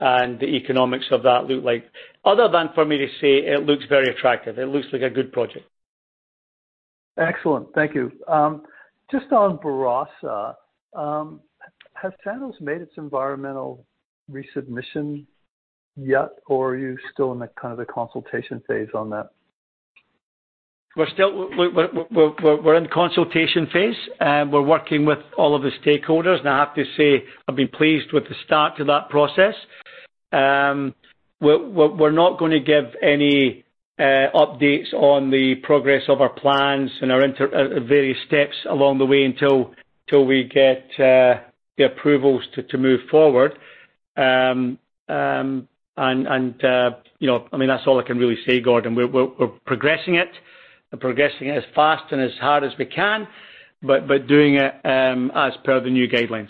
and the economics of that look like. Other than for me to say it looks very attractive. It looks like a good project. Excellent. Thank you. Just on Barossa, has Santos made its environmental resubmission yet, or are you still in the kind of the consultation phase on that? We're still in consultation phase, and we're working with all of the stakeholders. I have to say, I've been pleased with the start to that process. We're not gonna give any updates on the progress of our plans and our various steps along the way until we get the approvals to move forward. you know, I mean, that's all I can really say, Gordon. We're progressing it. We're progressing it as fast and as hard as we can, but doing it as per the new guidelines.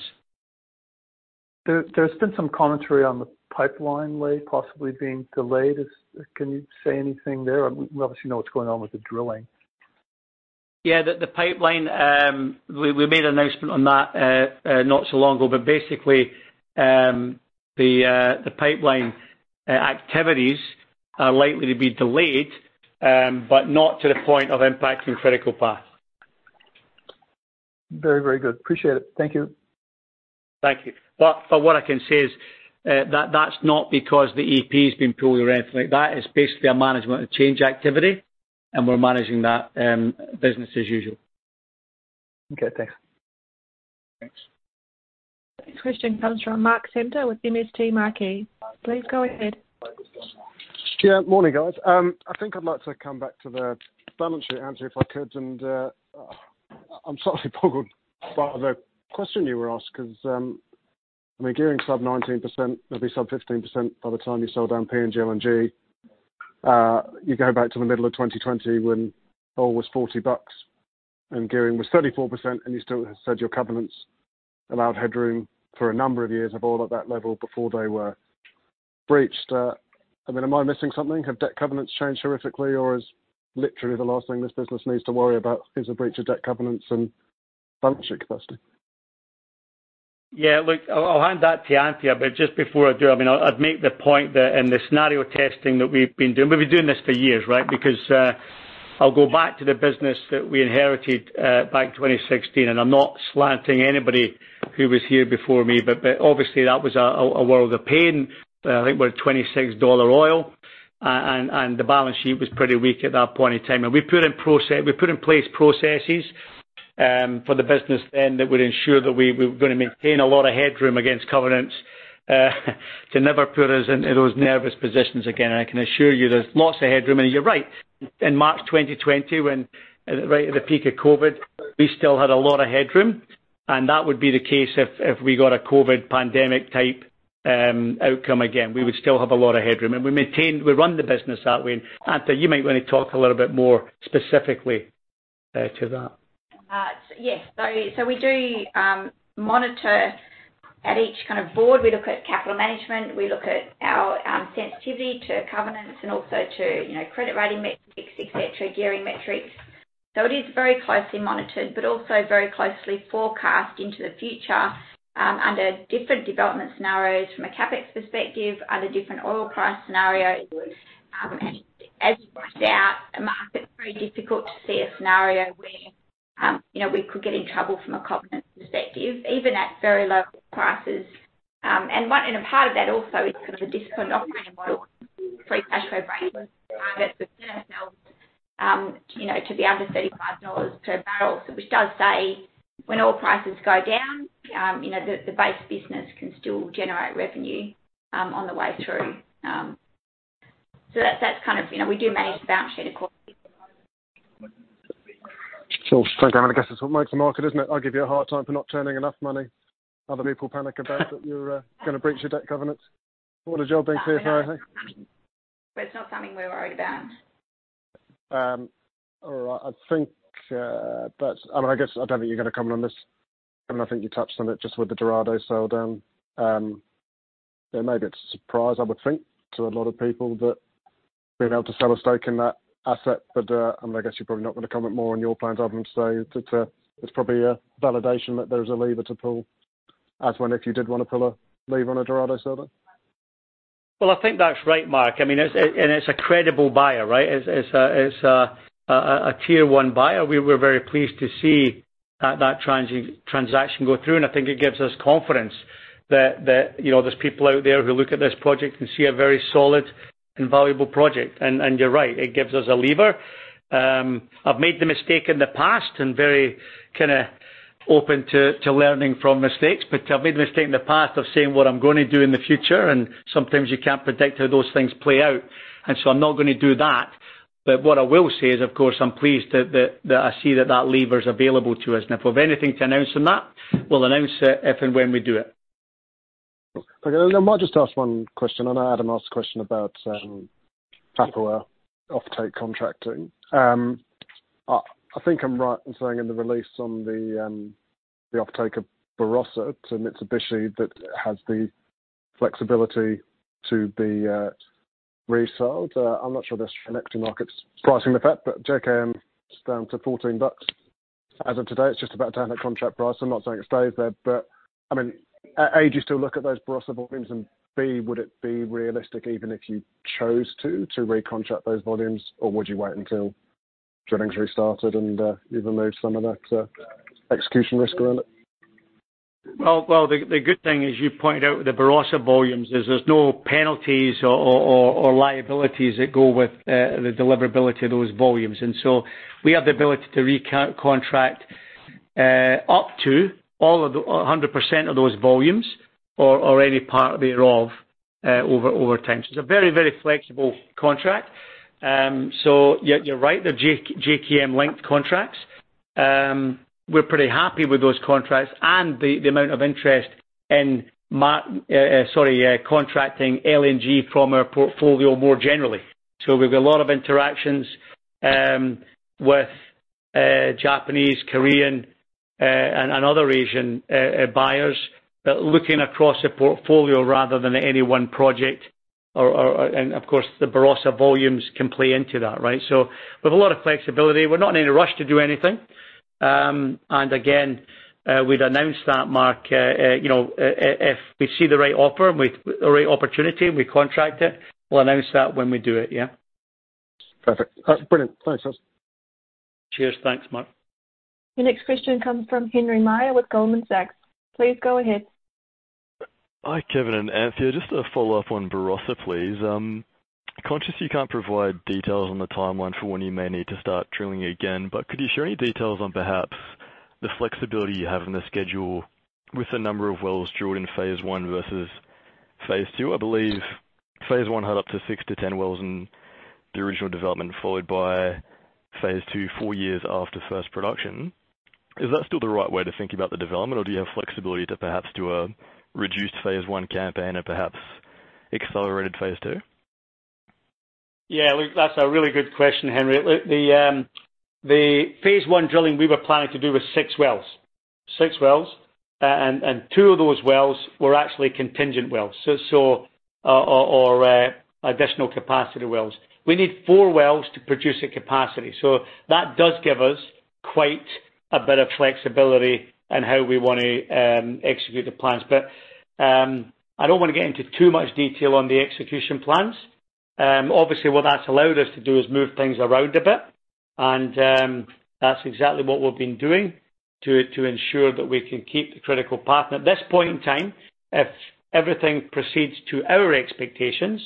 There's been some commentary on the pipeline lay possibly being delayed. Can you say anything there? We obviously know what's going on with the drilling. Yeah. The pipeline, we made an announcement on that, not so long ago, but basically, the pipeline activities are likely to be delayed, but not to the point of impacting critical path. Very, very good. Appreciate it. Thank you. Thank you. What I can say is, that's not because the EP has been pulled or anything like that. It's basically a management change activity, and we're managing that, business as usual. Okay, thanks. Next question comes from Mark Samter with MST Marquee. Please go ahead. Morning, guys. I think I'd like to come back to the balance sheet answer, if I could. I'm slightly boggled by the question you were asked because, I mean, gearing sub-19%, it'll be sub-15% by the time you sell down PNG LNG. You go back to the middle of 2020 when oil was $40 and gearing was 34%, and you still said your covenants allowed headroom for a number of years of oil at that level before they were breached. I mean, am I missing something? Have debt covenants changed horrifically, or is literally the last thing this business needs to worry about is a breach of debt covenants and balance sheet capacity? Yeah. Look, I'll hand that to Anthea. Just before I do, I mean, I'd make the point that in the scenario testing that we've been doing, we've been doing this for years, right? Because, I'll go back to the business that we inherited back in 2016, and I'm not slanting anybody who was here before me, but obviously that was a world of pain. I think we're at $26 oil. The balance sheet was pretty weak at that point in time. We put in place processes for the business then that would ensure that we were gonna maintain a lot of headroom against covenants to never put us into those nervous positions again. I can assure you, there's lots of headroom. You're right. In March 2020, when right at the peak of COVID, we still had a lot of headroom, and that would be the case if we got a COVID pandemic-type outcome again. We would still have a lot of headroom. We run the business that way. Anthea, you might wanna talk a little bit more specifically to that. Yes. We do monitor at each kind of board. We look at capital management. We look at our sensitivity to covenants and also to, you know, credit rating metrics, et cetera, gearing metrics. It is very closely monitored but also very closely forecast into the future under different development scenarios from a CapEx perspective, under different oil price scenarios. As you point out, the market's very difficult to see a scenario where, you know, we could get in trouble from a covenant perspective, even at very low prices. A part of that also is kind of a disciplined operating model, free cash flow break even, that we've given ourselves, you know, to be under $35 per barrel. Which does say, when oil prices go down, you know, the base business can still generate revenue on the way through. That's kind of. You know, we do manage the balance sheet accordingly. I guess it's what makes a market, isn't it? I'll give you a hard time for not turning enough money. Other people panic about that you're gonna breach your debt covenants. What a job being CFO, eh? It's not something we're worried about. All right. I think that's... I guess, I don't think you're gonna comment on this, and I think you touched on it just with the Dorado sale done. It may be it's a surprise, I would think, to a lot of people that being able to sell a stake in that asset. I guess you're probably not gonna comment more on your plans, Adam, so it's probably a validation that there is a lever to pull as when if you did wanna pull a lever on a Dorado sale then. I think that's right, Mark. I mean, it's, and it's a credible buyer, right? It's, it's a, it's a, a Tier 1 buyer. We were very pleased to see that transaction go through, and I think it gives us confidence that, you know, there's people out there who look at this project and see a very solid and valuable project. You're right, it gives us a lever. I've made the mistake in the past and very kinda open to learning from mistakes. I've made the mistake in the past of saying what I'm gonna do in the future, and sometimes you can't predict how those things play out. I'm not gonna do that. What I will say is, of course, I'm pleased that, that I see that that lever is available to us. If we've anything to announce on that, we'll announce it if and when we do it. Okay. I might just ask one question. I know Adam asked a question about Papua offtake contracting. I think I'm right in saying in the release on the offtake of Barossa to Mitsubishi that has the flexibility to be resold. I'm not sure the energy market's pricing the bet, JKM is down to $14. As of today, it's just about to have a contract price. I'm not saying it stays there, but I mean, A, do you still look at those Barossa volumes and, B, would it be realistic even if you chose to recontract those volumes, or would you wait until drilling's restarted and you've removed some of that execution risk around it? Well, the good thing, as you pointed out with the Barossa volumes, is there's no penalties or liabilities that go with the deliverability of those volumes. We have the ability to re-contract up to all of the 100% of those volumes or any part thereof over time. It's a very, very flexible contract. You're right. They're JKM linked contracts. We're pretty happy with those contracts and the amount of interest in contracting LNG from our portfolio more generally. We've got a lot of interactions with Japanese, Korean, and other Asian buyers looking across a portfolio rather than any one project or. Of course, the Barossa volumes can play into that, right? We've a lot of flexibility. We're not in any rush to do anything. Again, we'd announce that, Mark, you know, if we see the right offer and the right opportunity and we contract it, we'll announce that when we do it, yeah. Perfect. That's brilliant. Thanks. Cheers. Thanks, Mark. Your next question comes from Henry Meyer with Goldman Sachs. Please go ahead. Hi, Kevin and Anthea. Just a follow-up on Barossa, please. Conscious you can't provide details on the timeline for when you may need to start drilling again, but could you share any details on perhaps the flexibility you have in the schedule with the number of wells drilled in phase one versus phase II? I believe phase I had up to 6-10 wells in the original development, followed by phase II four years after first production. Is that still the right way to think about the development, or do you have flexibility to perhaps do a reduced phase I campaign or perhaps accelerated phase II? Yeah. Look, that's a really good question, Henry. Look, the phase I drilling we were planning to do was six wells. Six wells. Two of those wells were actually contingent wells, or additional capacity wells. We need four wells to produce at capacity, that does give us quite a bit of flexibility in how we wanna execute the plans. I don't wanna get into too much detail on the execution plans. Obviously, what that's allowed us to do is move things around a bit. That's exactly what we've been doing to ensure that we can keep the critical path. At this point in time, if everything proceeds to our expectations,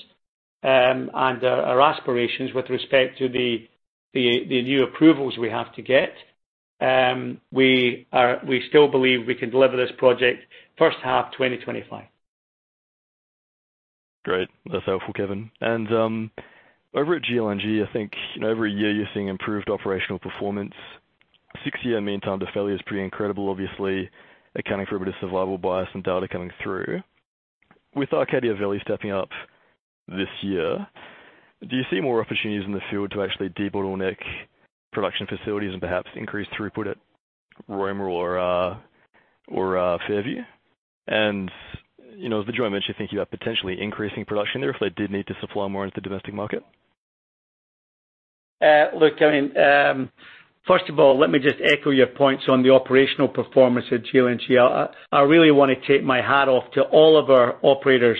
and our aspirations with respect to the, the new approvals we have to get, we still believe we can deliver this project first half of 2025. Great. That's helpful, Kevin. Over at GLNG, I think, you know, every year you're seeing improved operational performance. Six-year mean time to failure is pretty incredible, obviously accounting for a bit of survival bias and data coming through. With Arcadia Valley stepping up this year, do you see more opportunities in the field to actually debottleneck production facilities and perhaps increase throughput at Roma or Fairview? You know, is the joint venture thinking about potentially increasing production there if they did need to supply more into the domestic market? Look, first of all, let me just echo your points on the operational performance at GLNG. I really wanna take my hat off to all of our operators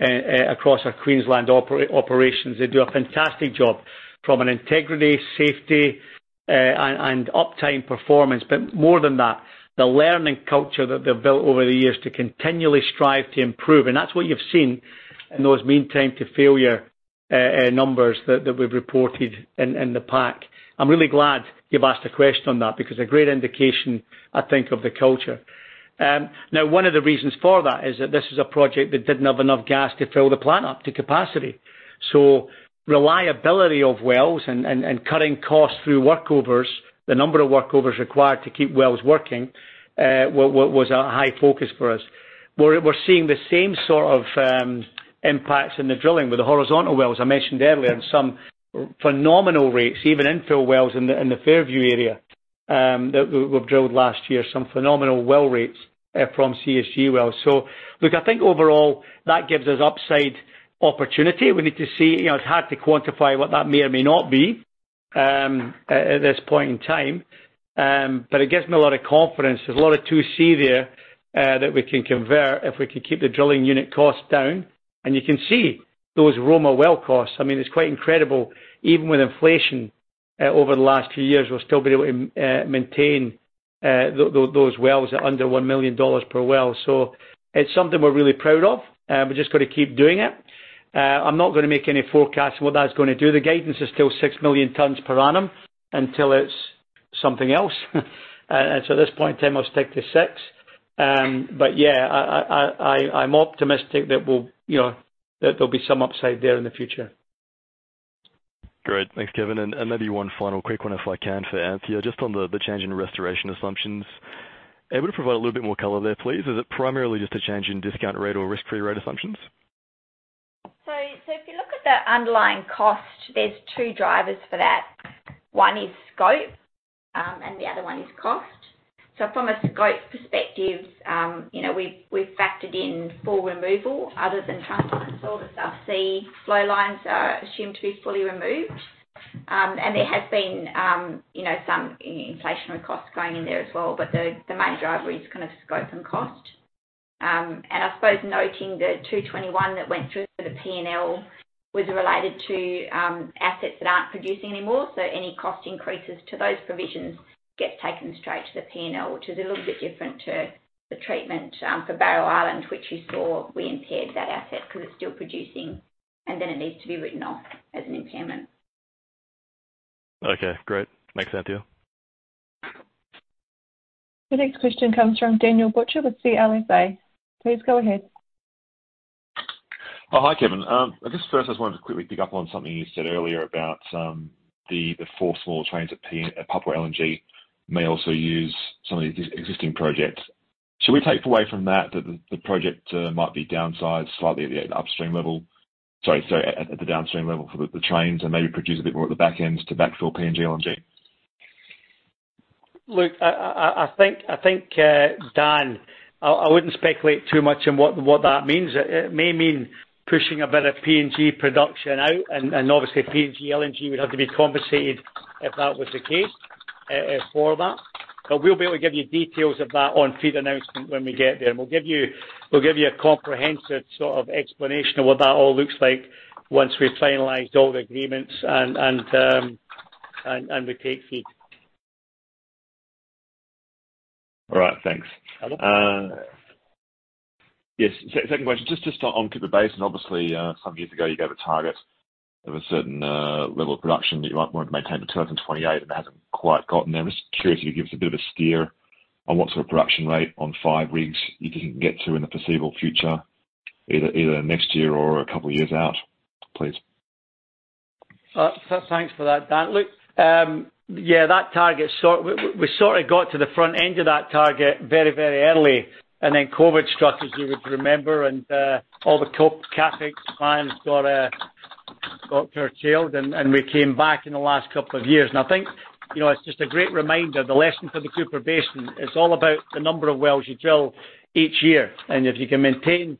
across our Queensland operations. They do a fantastic job from an integrity, safety, and uptime performance. More than that, the learning culture that they've built over the years to continually strive to improve, and that's what you've seen in those mean time to failure numbers that we've reported in the pack. I'm really glad you've asked a question on that because a great indication, I think, of the culture. Now one of the reasons for that is that this is a project that didn't have enough gas to fill the plant up to capacity. Reliability of wells and cutting costs through workovers, the number of workovers required to keep wells working, was a high focus for us. We're seeing the same sort of impacts in the drilling with the horizontal wells I mentioned earlier and some phenomenal rates, even infill wells in the Fairview area, that we've drilled last year. Some phenomenal well rates from CSG wells. Look, I think overall that gives us upside opportunity. We need to see. You know, it's hard to quantify what that may or may not be at this point in time. It gives me a lot of confidence. There's a lot of 2C there that we can convert if we can keep the drilling unit costs down. You can see those Roma well costs. I mean, it's quite incredible, even with inflation, over the last few years, we've still been able to maintain those wells at under $1 million per well. It's something we're really proud of. We've just got to keep doing it. I'm not gonna make any forecasts on what that's gonna do. The guidance is still 6 million tons per annum until it's something else. At this point in time, I'll stick to 6. Yeah, I'm optimistic that we'll, you know, that there'll be some upside there in the future. Great. Thanks, Kevin. Maybe one final quick one if I can for Anthea, just on the change in restoration assumptions. Able to provide a little bit more color there, please? Is it primarily just a change in discount rate or risk-free rate assumptions? If you look at the underlying cost, there's 2 drivers for that. One is scope, and the other one is cost. From a scope perspective, you know, we've factored in full removal other than pipelines. All the subsea flow lines are assumed to be fully removed. There has been, you know, some inflation with costs going in there as well, but the main driver is kind of scope and cost. I suppose noting the 221 that went through for the P&L was related to assets that aren't producing anymore. Any cost increases to those provisions get taken straight to the P&L, which is a little bit different to the treatment for Barrow Island, which you saw we impaired that asset because it's still producing, and then it needs to be written off as an impairment. Okay, great. Thanks, Anthea. The next question comes from Daniel Butcher with CLSA. Please go ahead. Oh, hi, Kevin. I just wanted to quickly pick up on something you said earlier about, the four small trains at Papua LNG may also use some of the existing projects. Should we take away from that the project might be downsized slightly at the upstream level? Sorry, at the downstream level for the trains and maybe produce a bit more at the back end to backfill PNG LNG? Look, I think, Dan, I wouldn't speculate too much on what that means. It may mean pushing a bit of PNG production out and obviously PNG LNG would have to be compensated if that was the case for that. We'll be able to give you details of that on FEED announcement when we get there. We'll give you a comprehensive sort of explanation of what that all looks like once we've finalized all the agreements and we take FEED. All right, thanks. Uh-huh. Yes. Second question. Just on Cooper Basin. Obviously, some years ago you gave a target of a certain level of production that you might want to maintain to 2028, and it hasn't quite gotten there. I'm just curious if you could give us a bit of a steer on what sort of production rate on five rigs you think you can get to in the foreseeable future, either next year or a couple of years out, please? Thanks for that, Dan. Look, we sort of got to the front end of that target very, very early, then COVID struck, as you would remember. All the capex plans got curtailed, and we came back in the last couple of years. I think, you know, it's just a great reminder, the lesson for the Cooper Basin, it's all about the number of wells you drill each year. If you can maintain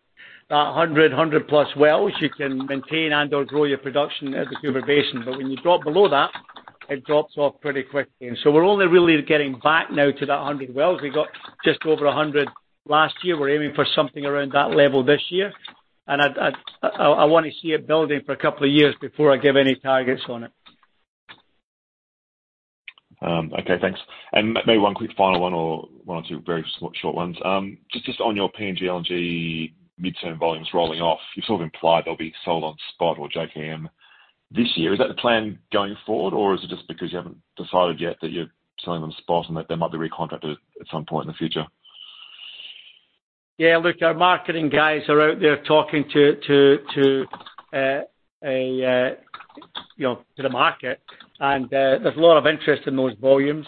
that 100 plus wells, you can maintain and/or grow your production at the Cooper Basin. When you drop below that, it drops off pretty quickly. We're only really getting back now to that 100 wells. We got just over 100 last year. We're aiming for something around that level this year. I wanna see it building for a couple of years before I give any targets on it. Okay, thanks. Maybe one quick final one or one or two very short ones. Just on your PNG LNG midterm volumes rolling off, you sort of implied they'll be sold on spot or JKM this year. Is that the plan going forward, or is it just because you haven't decided yet that you're selling them spot and that they might be recontracted at some point in the future? Yeah. Look, our marketing guys are out there talking to, you know, to the market. There's a lot of interest in those volumes.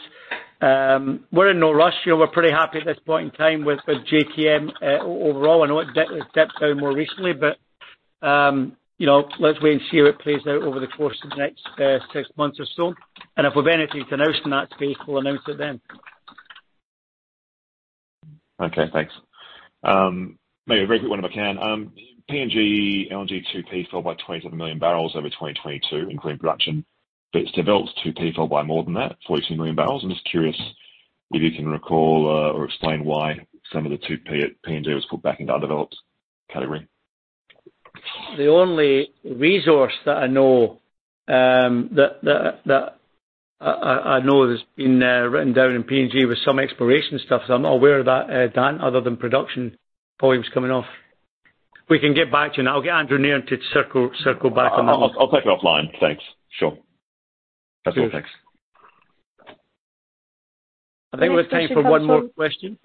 We're in no rush. You know, we're pretty happy at this point in time with the JKM overall. I know it dipped down more recently, but, you know, let's wait and see how it plays out over the course of the next 6 months or so. If we've anything to announce on that space, we'll announce it then. Okay, thanks. maybe a very quick one if I can. PNG LNG 2P filled by 27 million barrels over 2022, including production. It's developed 2P filled by more than that, 14 million barrels. I'm just curious if you can recall, or explain why some of the 2P at PNG was put back into undeveloped category. The only resource that I know has been written down in PNG was some exploration stuff. I'm aware of that, Dan, other than production volumes coming off. We can get back to you. I'll get Andrew Nairn to circle back on that. I'll take it offline. Thanks. Sure. That's all. Thanks. I think we're taking one more question.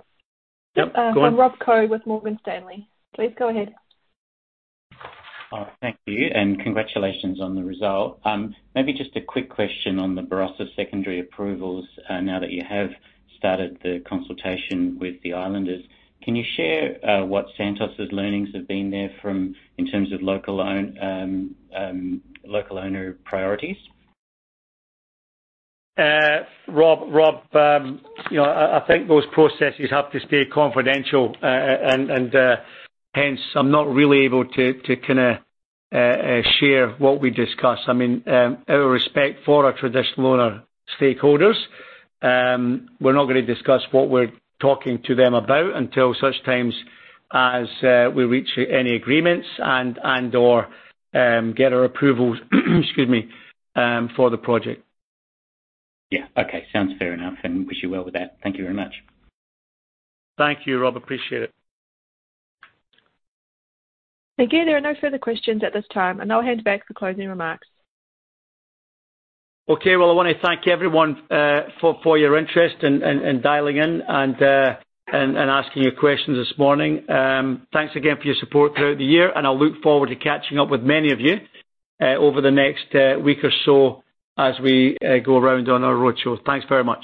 Next question comes from. Yep, go on. Yep, from Rob Koh with Morgan Stanley. Please go ahead. Thank you, and congratulations on the result. Maybe just a quick question on the Barossa secondary approvals, now that you have started the consultation with the islanders. Can you share what Santos' learnings have been there in terms of local owner priorities? Rob, you know, I think those processes have to stay confidential. Hence, I'm not really able to kinda share what we discuss. I mean, out of respect for our traditional owner stakeholders, we're not gonna discuss what we're talking to them about until such times as we reach any agreements and/or get our approvals, excuse me, for the project. Yeah. Okay, sounds fair enough, and wish you well with that. Thank you very much. Thank you, Rob. Appreciate it. Again, there are no further questions at this time, and I'll hand back for closing remarks. Okay. Well, I wanna thank everyone, for your interest and dialing in and asking your questions this morning. Thanks again for your support throughout the year, and I look forward to catching up with many of you, over the next week or so as we go around on our roadshow. Thanks very much.